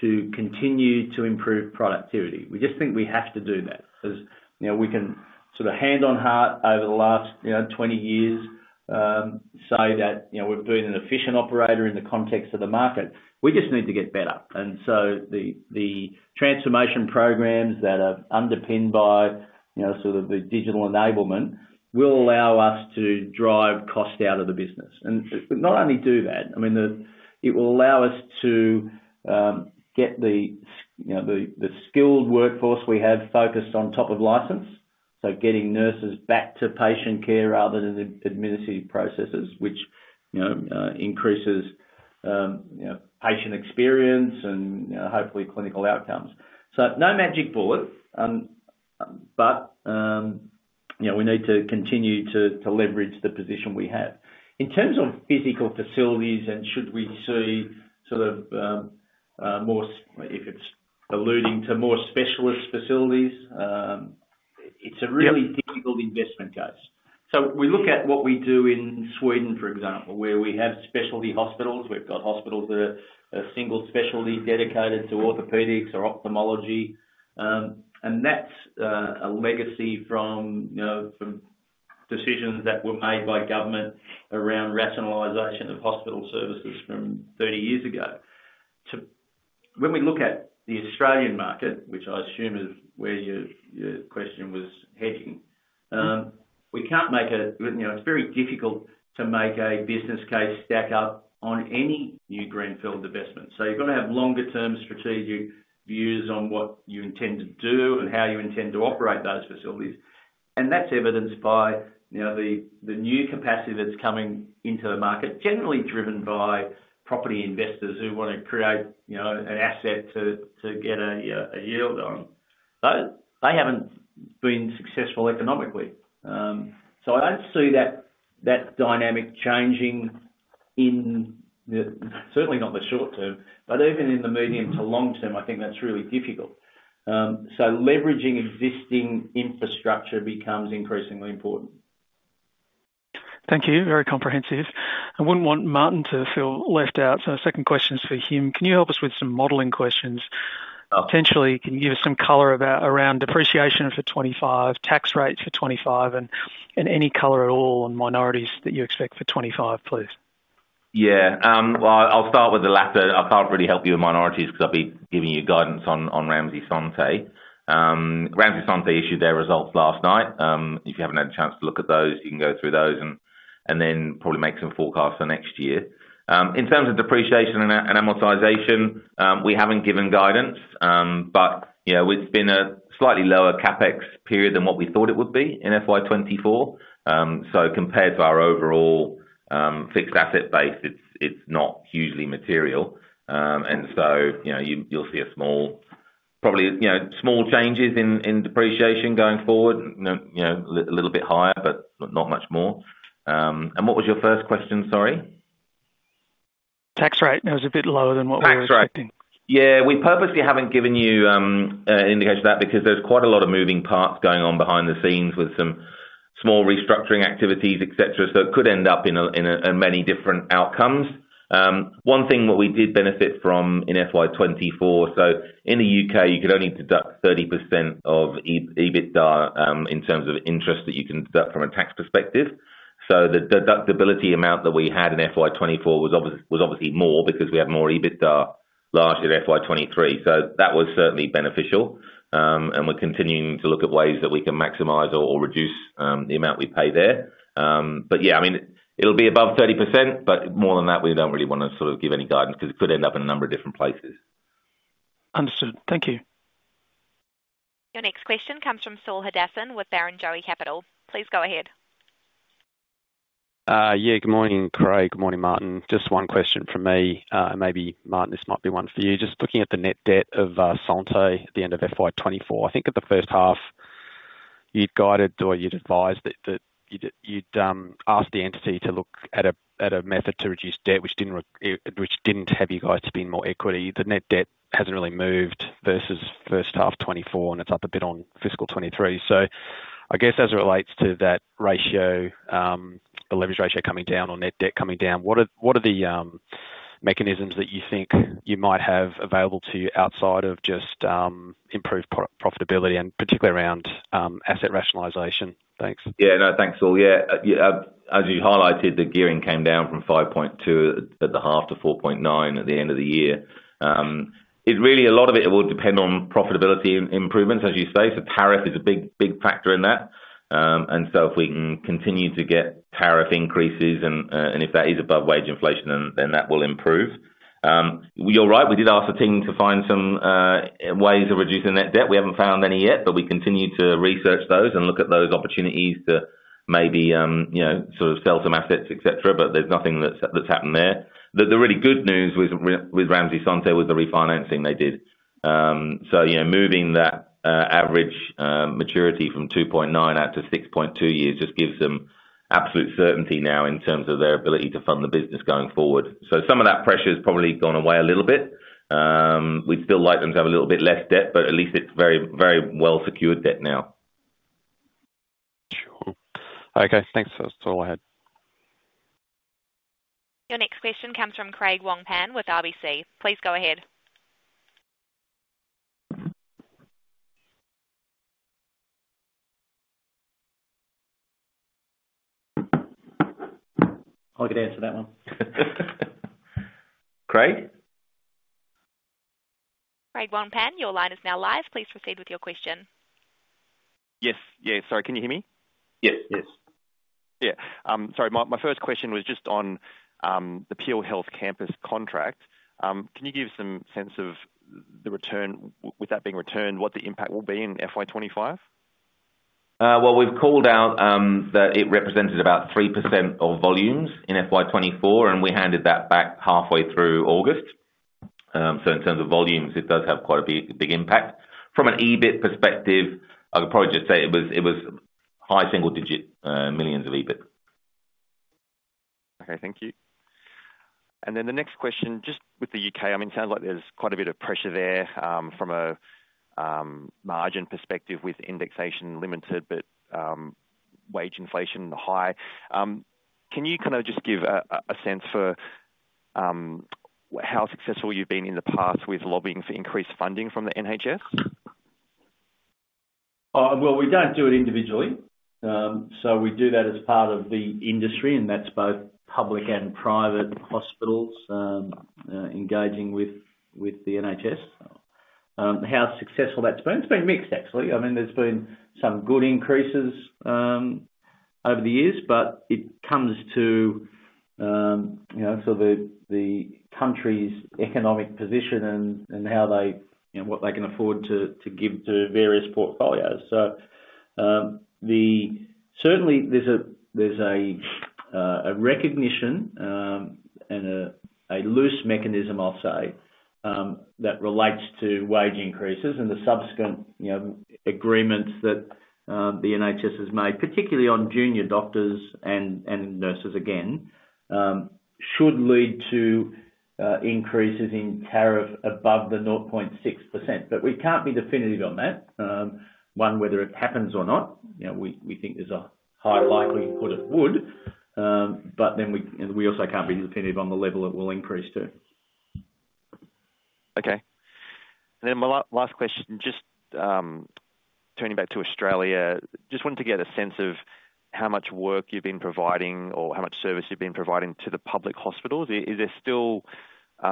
to continue to improve productivity. We just think we have to do that. Because, you know, we can sort of hand on heart over the last, you know, years, say that, you know, we're being an efficient operator in the context of the market. We just need to get better, and so the transformation programs that are underpinned by, you know, sort of the digital enablement, will allow us to drive cost out of the business. And not only do that, I mean, it will allow us to get the, you know, the skilled workforce we have focused on top of license, so getting nurses back to patient care rather than the administrative processes, which, you know, increases patient experience and, hopefully, clinical outcomes. So no magic bullet, but, you know, we need to continue to leverage the position we have. In terms of physical facilities, and should we see sort of more, if it's alluding to more specialist facilities, it's a really- Yep. Difficult investment case. So we look at what we do in Sweden, for example, where we have specialty hospitals. We've got hospitals that are a single specialty dedicated to orthopedics or ophthalmology, and that's a legacy from, you know, from decisions that were made by government around rationalization of hospital services from thirty years ago. When we look at the Australian market, which I assume is where your question was heading, we can't make, you know, it's very difficult to make a business case stack up on any new greenfield investment. So you've got to have longer-term strategic views on what you intend to do and how you intend to operate those facilities. That's evidenced by, you know, the new capacity that's coming into the market, generally driven by property investors who want to create, you know, an asset to get a yield on. But they haven't been successful economically. So I don't see that dynamic changing, certainly not the short term, but even in the medium to long term. I think that's really difficult. So leveraging existing infrastructure becomes increasingly important. Thank you. Very comprehensive. I wouldn't want Martyn to feel left out, so the second question is for him. Can you help us with some modeling questions? Uh- Potentially, can you give us some color about around depreciation for 2025, tax rates for 2025, and any color at all on minorities that you expect for 2025, please? Yeah, well, I'll start with the latter. I can't really help you with minorities because I'd be giving you guidance on Ramsay Santé. Ramsay Santé issued their results last night. If you haven't had a chance to look at those, you can go through those and then probably make some forecasts for next year. In terms of depreciation and amortization, we haven't given guidance, but you know, it's been a slightly lower CapEx period than what we thought it would be in FY 2024. So compared to our overall fixed asset base, it's not hugely material. And so, you know, you'll see a small, probably, you know, small changes in depreciation going forward, you know, a little bit higher, but not much more. And what was your first question? Sorry.... tax rate, that was a bit lower than what we were expecting. Tax rate. Yeah, we purposely haven't given you indication of that because there's quite a lot of moving parts going on behind the scenes with some small restructuring activities, et cetera, so it could end up in many different outcomes. One thing that we did benefit from in FY 2024, so in the U.K., you could only deduct 30% of EBITDA in terms of interest that you can deduct from a tax perspective. So the deductibility amount that we had in FY 2024 was obviously more because we had more EBITDA, largely in FY 2023. So that was certainly beneficial, and we're continuing to look at ways that we can maximize or reduce the amount we pay there. But yeah, I mean, it'll be above 30%, but more than that, we don't really want to sort of give any guidance because it could end up in a number of different places. Understood. Thank you. Your next question comes from Saul Hadassin with Barrenjoey Capital. Please go ahead. Yeah, good morning, Craig. Good morning, Martyn. Just one question from me. Maybe Martyn, this might be one for you. Just looking at the net debt of Santé at the end of FY24. I think at the first half, you'd guided or you'd advised that you'd ask the entity to look at a method to reduce debt, which didn't have you guys spend more equity. The net debt hasn't really moved versus first half 2024, and it's up a bit on fiscal 2023. So I guess as it relates to that ratio, the leverage ratio coming down or net debt coming down, what are the mechanisms that you think you might have available to you outside of just improved profitability and particularly around asset rationalization? Thanks. Yeah, no, thanks, Saul. Yeah, yeah, as you highlighted, the gearing came down from 5.2 at the half to 4.9 at the end of the year. It really, a lot of it will depend on profitability improvements, as you say, so tariff is a big, big factor in that. And so if we can continue to get tariff increases and, and if that is above wage inflation, then, then that will improve. You're right, we did ask the team to find some ways of reducing net debt. We haven't found any yet, but we continue to research those and look at those opportunities to maybe, you know, sort of sell some assets, et cetera, but there's nothing that's happened there. The really good news with Ramsay Santé was the refinancing they did. So, you know, moving that average maturity from two point nine out to six point two years just gives them absolute certainty now in terms of their ability to fund the business going forward. So some of that pressure has probably gone away a little bit. We'd still like them to have a little bit less debt, but at least it's very, very well-secured debt now. Sure. Okay, thanks. That's all I had. Your next question comes from Craig Wong-Pan with RBC. Please go ahead. I could answer that one. Craig? Craig Wong-Pan, your line is now live. Please proceed with your question. Yes, yeah. Sorry, can you hear me? Yes, yes. Yeah. Sorry, my first question was just on the Peel Health Campus contract. Can you give some sense of the return with that being returned, what the impact will be in FY 2025? Well, we've called out that it represented about 3% of volumes in FY 2024, and we handed that back halfway through August. So in terms of volumes, it does have quite a big impact. From an EBIT perspective, I would probably just say it was high single digit millions of EBIT. Okay, thank you. And then the next question, just with the U.K., I mean, it sounds like there's quite a bit of pressure there, from a margin perspective with indexation limited, but wage inflation high. Can you kind of just give a sense for how successful you've been in the past with lobbying for increased funding from the NHS? Well, we don't do it individually. So we do that as part of the industry, and that's both public and private hospitals engaging with the NHS. How successful that's been? It's been mixed, actually. I mean, there's been some good increases over the years, but it comes to you know, sort of the country's economic position and how they you know, what they can afford to give to various portfolios. So, certainly there's a recognition and a loose mechanism, I'll say, that relates to wage increases and the subsequent you know, agreements that the NHS has made, particularly on junior doctors and nurses, again, should lead to increases in tariff above the 0.6%. But we can't be definitive on that, whether it happens or not, you know. We think there's a high likelihood it would, but then we also can't be definitive on the level it will increase to. Okay. Then my last question, just, turning back to Australia, just wanted to get a sense of how much work you've been providing or how much service you've been providing to the public hospitals. Is there still a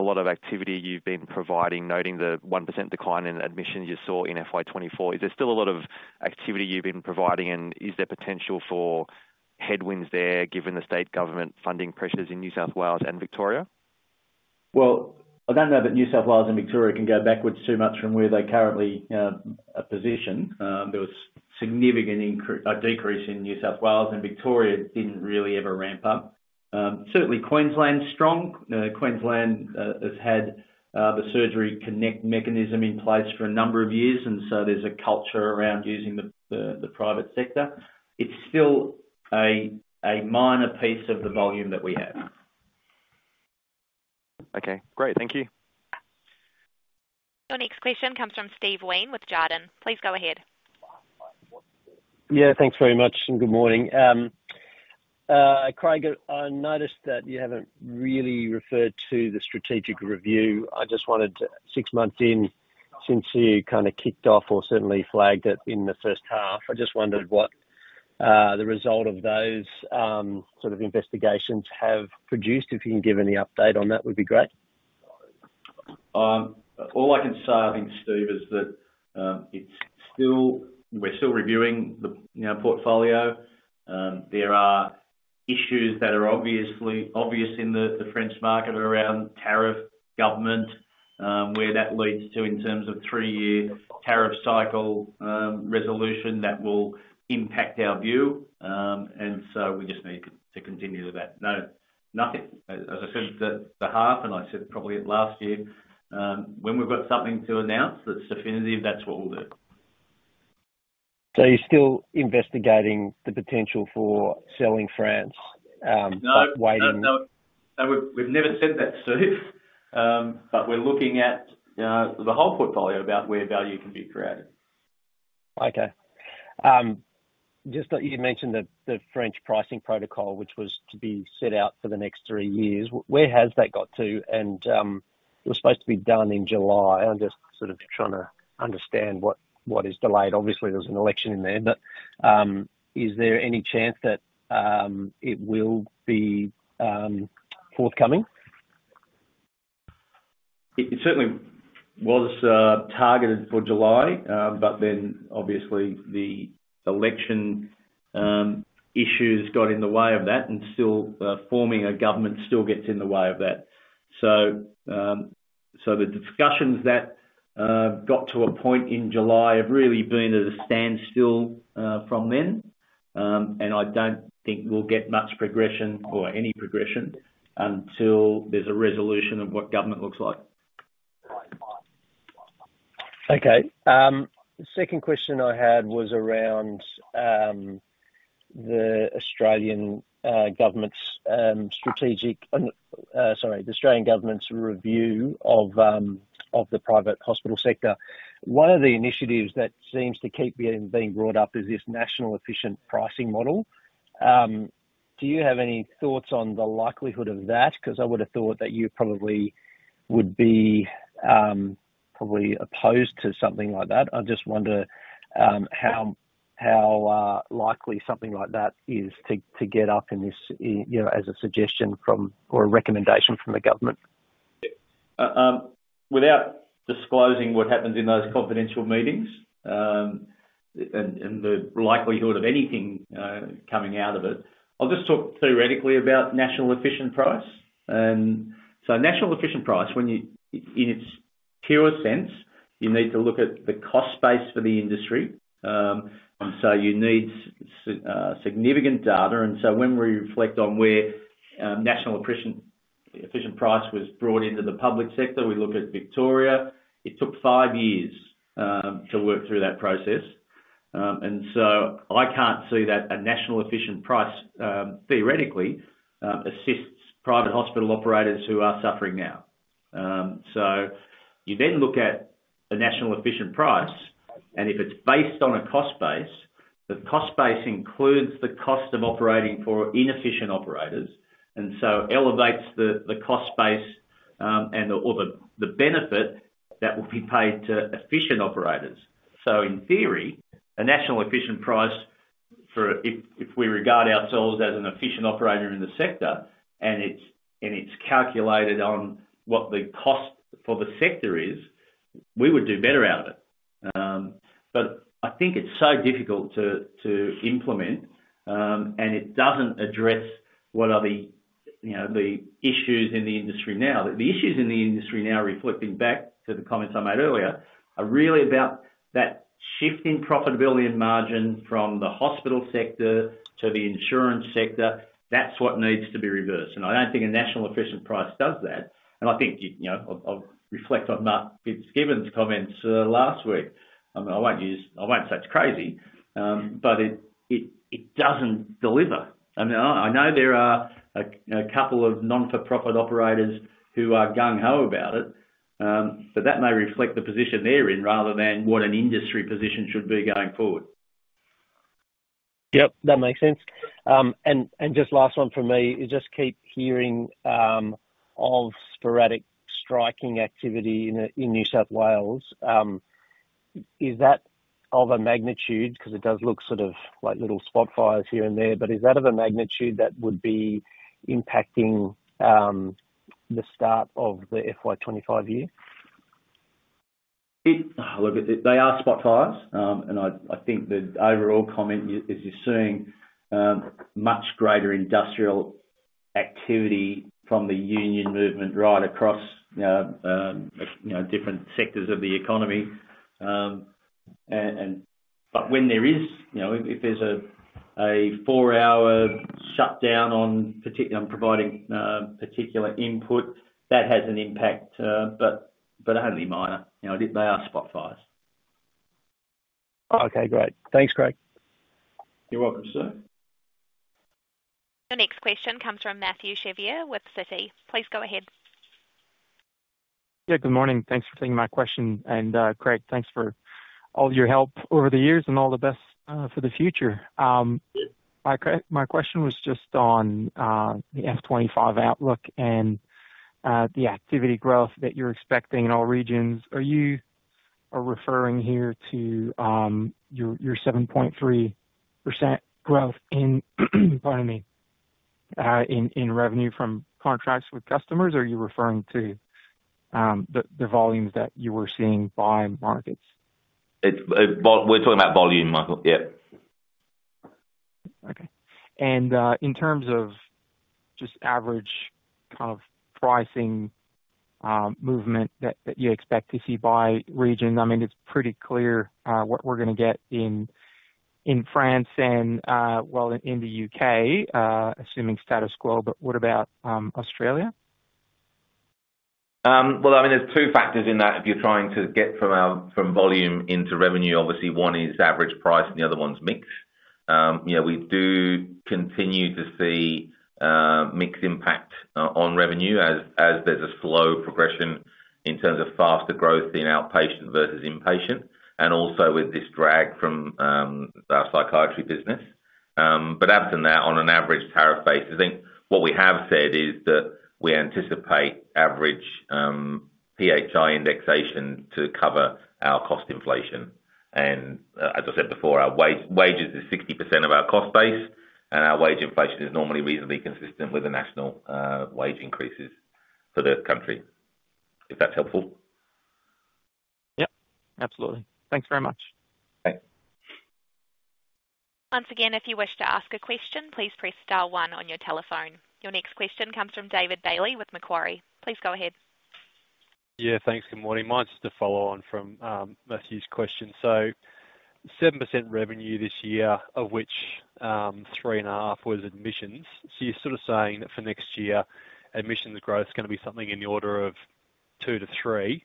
lot of activity you've been providing, noting the 1% decline in admissions you saw in FY 2024? Is there still a lot of activity you've been providing, and is there potential for headwinds there, given the state government funding pressures in New South Wales and Victoria? I don't know that New South Wales and Victoria can go backwards too much from where they're currently positioned. There was significant decrease in New South Wales, and Victoria didn't really ever ramp up. Certainly Queensland's strong. Queensland has had the Surgery Connect mechanism in place for a number of years, and so there's a culture around using the private sector. It's still a minor piece of the volume that we have... Okay, great. Thank you. Your next question comes from Steve Wheen with Jarden. Please go ahead. Yeah, thanks very much, and good morning. Craig, I noticed that you haven't really referred to the strategic review. I just wanted to, six months in, since you kind of kicked off or certainly flagged it in the first half, I just wondered what, the result of those, sort of investigations have produced? If you can give any update on that, would be great. All I can say, I think, Steve, is that it's still. We're still reviewing the, you know, portfolio. There are issues that are obviously in the French market around tariff, government, where that leads to in terms of three-year tariff cycle, resolution that will impact our view. And so we just need to continue with that. No, nothing. As I said at the half, and I said probably at last year, when we've got something to announce that's definitive, that's what we'll do. So you're still investigating the potential for selling France, but waiting- No, no, no, we've never said that, Steve. But we're looking at, you know, the whole portfolio about where value can be created. Okay. Just that you mentioned the French pricing protocol, which was to be set out for the next three years. Where has that got to? And, it was supposed to be done in July. I'm just sort of trying to understand what is delayed. Obviously, there was an election in there, but, is there any chance that it will be forthcoming? It certainly was targeted for July, but then obviously the election issues got in the way of that, and still forming a government still gets in the way of that. So the discussions that got to a point in July have really been at a standstill from then. And I don't think we'll get much progression or any progression until there's a resolution of what government looks like. Okay, the second question I had was around the Australian government's review of the private hospital sector. One of the initiatives that seems to keep being brought up is this national efficient pricing model. Do you have any thoughts on the likelihood of that? 'Cause I would've thought that you probably would be opposed to something like that. I just wonder how likely something like that is to get up in this, you know, as a suggestion from, or a recommendation from the government. Without disclosing what happens in those confidential meetings, and the likelihood of anything coming out of it, I'll just talk theoretically about National Efficient Price. So National Efficient Price, when you... In its purest sense, you need to look at the cost base for the industry. And so you need significant data, and so when we reflect on where National Efficient Price was brought into the public sector, we look at Victoria, it took five years to work through that process. And so I can't see that a National Efficient Price theoretically assists private hospital operators who are suffering now. So you then look at the National Efficient Price, and if it's based on a cost base, the cost base includes the cost of operating for inefficient operators, and so elevates the cost base, and/or the benefit that will be paid to efficient operators. In theory, a National Efficient Price for, if we regard ourselves as an efficient operator in the sector, and it's calculated on what the cost for the sector is, we would do better out of it. But I think it's so difficult to implement, and it doesn't address what are the, you know, the issues in the industry now. The issues in the industry now, reflecting back to the comments I made earlier, are really about that shift in profitability and margin from the hospital sector to the insurance sector. That's what needs to be reversed, and I don't think a National Efficient Price does that. And I think, you know, I'll reflect on Mark Gibbs, given his comments last week. I mean, I won't use. I won't say it's crazy, but it doesn't deliver. I mean, I know there are a couple of not-for-profit operators who are gung ho about it, but that may reflect the position they're in, rather than what an industry position should be going forward. Yep, that makes sense. And just last one from me: you just keep hearing of sporadic striking activity in New South Wales. Is that of a magnitude? 'Cause it does look sort of like little spot fires here and there, but is that of a magnitude that would be impacting the start of the FY 2025 year? Look, they are spot fires, and I think the overall comment is you're seeing much greater industrial activity from the union movement right across you know, different sectors of the economy. But when there is, you know, if there's a four-hour shutdown on providing particular input, that has an impact, but only minor. You know, they are spot fires.... Okay, great. Thanks, Craig. You're welcome, sir. The next question comes from Mathieu Chevrier with Citi. Please go ahead. Yeah, good morning. Thanks for taking my question. And, Craig, thanks for all your help over the years and all the best for the future. My question was just on the FY25 outlook and the activity growth that you're expecting in all regions. Are you referring here to your 7.3% growth in, pardon me, in revenue from contracts with customers? Or are you referring to the volumes that you were seeing by markets? It's. We're talking about volume, Michael. Yeah. Okay. And in terms of just average kind of pricing movement that you expect to see by region, I mean, it's pretty clear what we're gonna get in France and well in the U.K. assuming status quo, but what about Australia? Well, I mean, there's two factors in that. If you're trying to get from from volume into revenue, obviously one is average price and the other one's mix. You know, we do continue to see mix impact on revenue as there's a slow progression in terms of faster growth in outpatient versus inpatient, and also with this drag from our psychiatry business. But absent that, on an average tariff basis, I think what we have said is that we anticipate average PHI indexation to cover our cost inflation. And as I said before, our wages is 60% of our cost base, and our wage inflation is normally reasonably consistent with the national wage increases for the country. If that's helpful? Yep, absolutely. Thanks very much. Thanks. Once again, if you wish to ask a question, please press star one on your telephone. Your next question comes from David Bailey with Macquarie. Please go ahead. Yeah, thanks. Good morning. Mine's just a follow on from Mathieu's question. So 7% revenue this year, of which 3.5 was admissions. So you're sort of saying that for next year, admissions growth is gonna be something in the order of 2-3,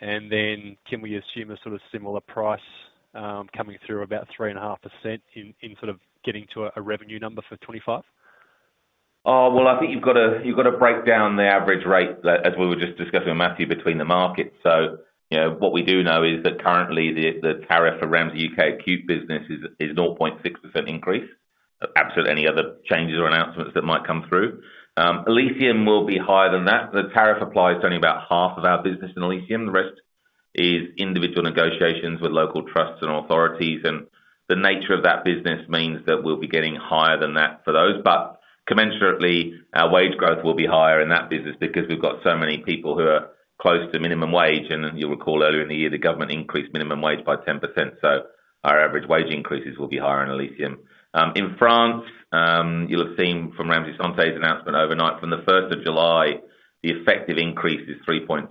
and then can we assume a sort of similar price coming through about 3.5% in sort of getting to a revenue number for 2025? I think you've gotta break down the average rate that, as we were just discussing with Mathieu, between the markets. So, you know, what we do know is that currently the tariff for Ramsay U.K. acute business is 0.6% increase. Absolutely any other changes or announcements that might come through. Elysium will be higher than that. The tariff applies to only about half of our business in Elysium. The rest is individual negotiations with local trusts and authorities, and the nature of that business means that we'll be getting higher than that for those. But commensurately, our wage growth will be higher in that business because we've got so many people who are close to minimum wage. You'll recall earlier in the year, the government increased minimum wage by 10%, so our average wage increases will be higher in Elysium. In France, you'll have seen from Ramsay Santé's announcement overnight, from the first of July, the effective increase is 3.2%.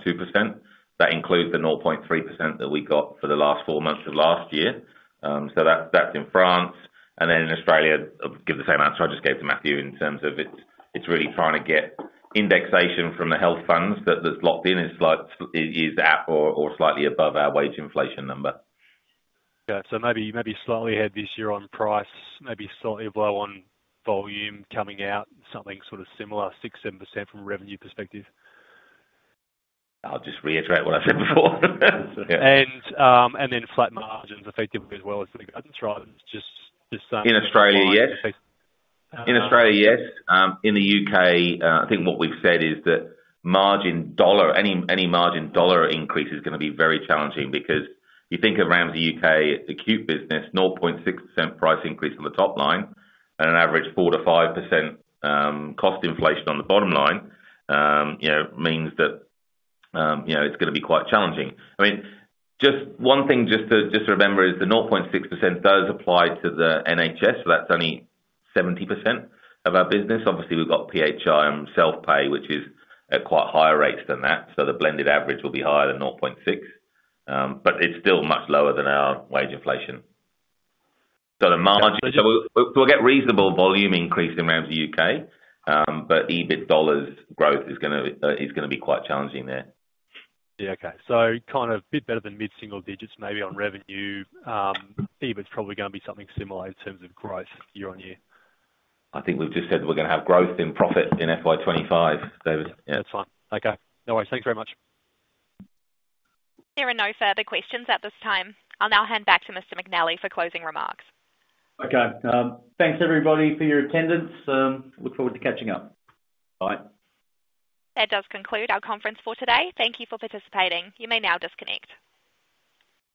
That includes the 0.3% that we got for the last four months of last year. So that's in France, and then in Australia, I'll give the same answer I just gave to Mathieu in terms of it's really trying to get indexation from the health funds that's locked in, is at, or slightly above our wage inflation number. Yeah. So maybe, maybe slightly ahead this year on price, maybe slightly below on volume coming out, something sort of similar, 6% to 7% from a revenue perspective. I'll just reiterate what I said before. Flat margins effectively as well as... I can try just, In Australia, yes. In Australia, yes. In the U.K., I think what we've said is that margin dollar, any margin dollar increase is gonna be very challenging because you think of Ramsay U.K., the acute business, 0.6% price increase on the top line and an average 4% to 5% cost inflation on the bottom line, you know, means that, you know, it's gonna be quite challenging. I mean, just one thing just to, just to remember is the 0.6% does apply to the NHS, so that's only 70% of our business. Obviously, we've got PHI and self-pay, which is at quite higher rates than that, so the blended average will be higher than 0.6%. But it's still much lower than our wage inflation. So the margin... We'll get reasonable volume increase in Ramsay U.K., but EBIT dollars growth is gonna be quite challenging there. Yeah. Okay. So kind of a bit better than mid-single digits, maybe on revenue. EBIT is probably gonna be something similar in terms of growth year-on-year. I think we've just said that we're gonna have growth in profit in FY25, David. Yeah, that's fine. Okay, no worries. Thank you very much. There are no further questions at this time. I'll now hand back to Mr. McNally for closing remarks. Okay. Thanks, everybody, for your attendance. Look forward to catching up. Bye. That does conclude our conference for today. Thank you for participating. You may now disconnect.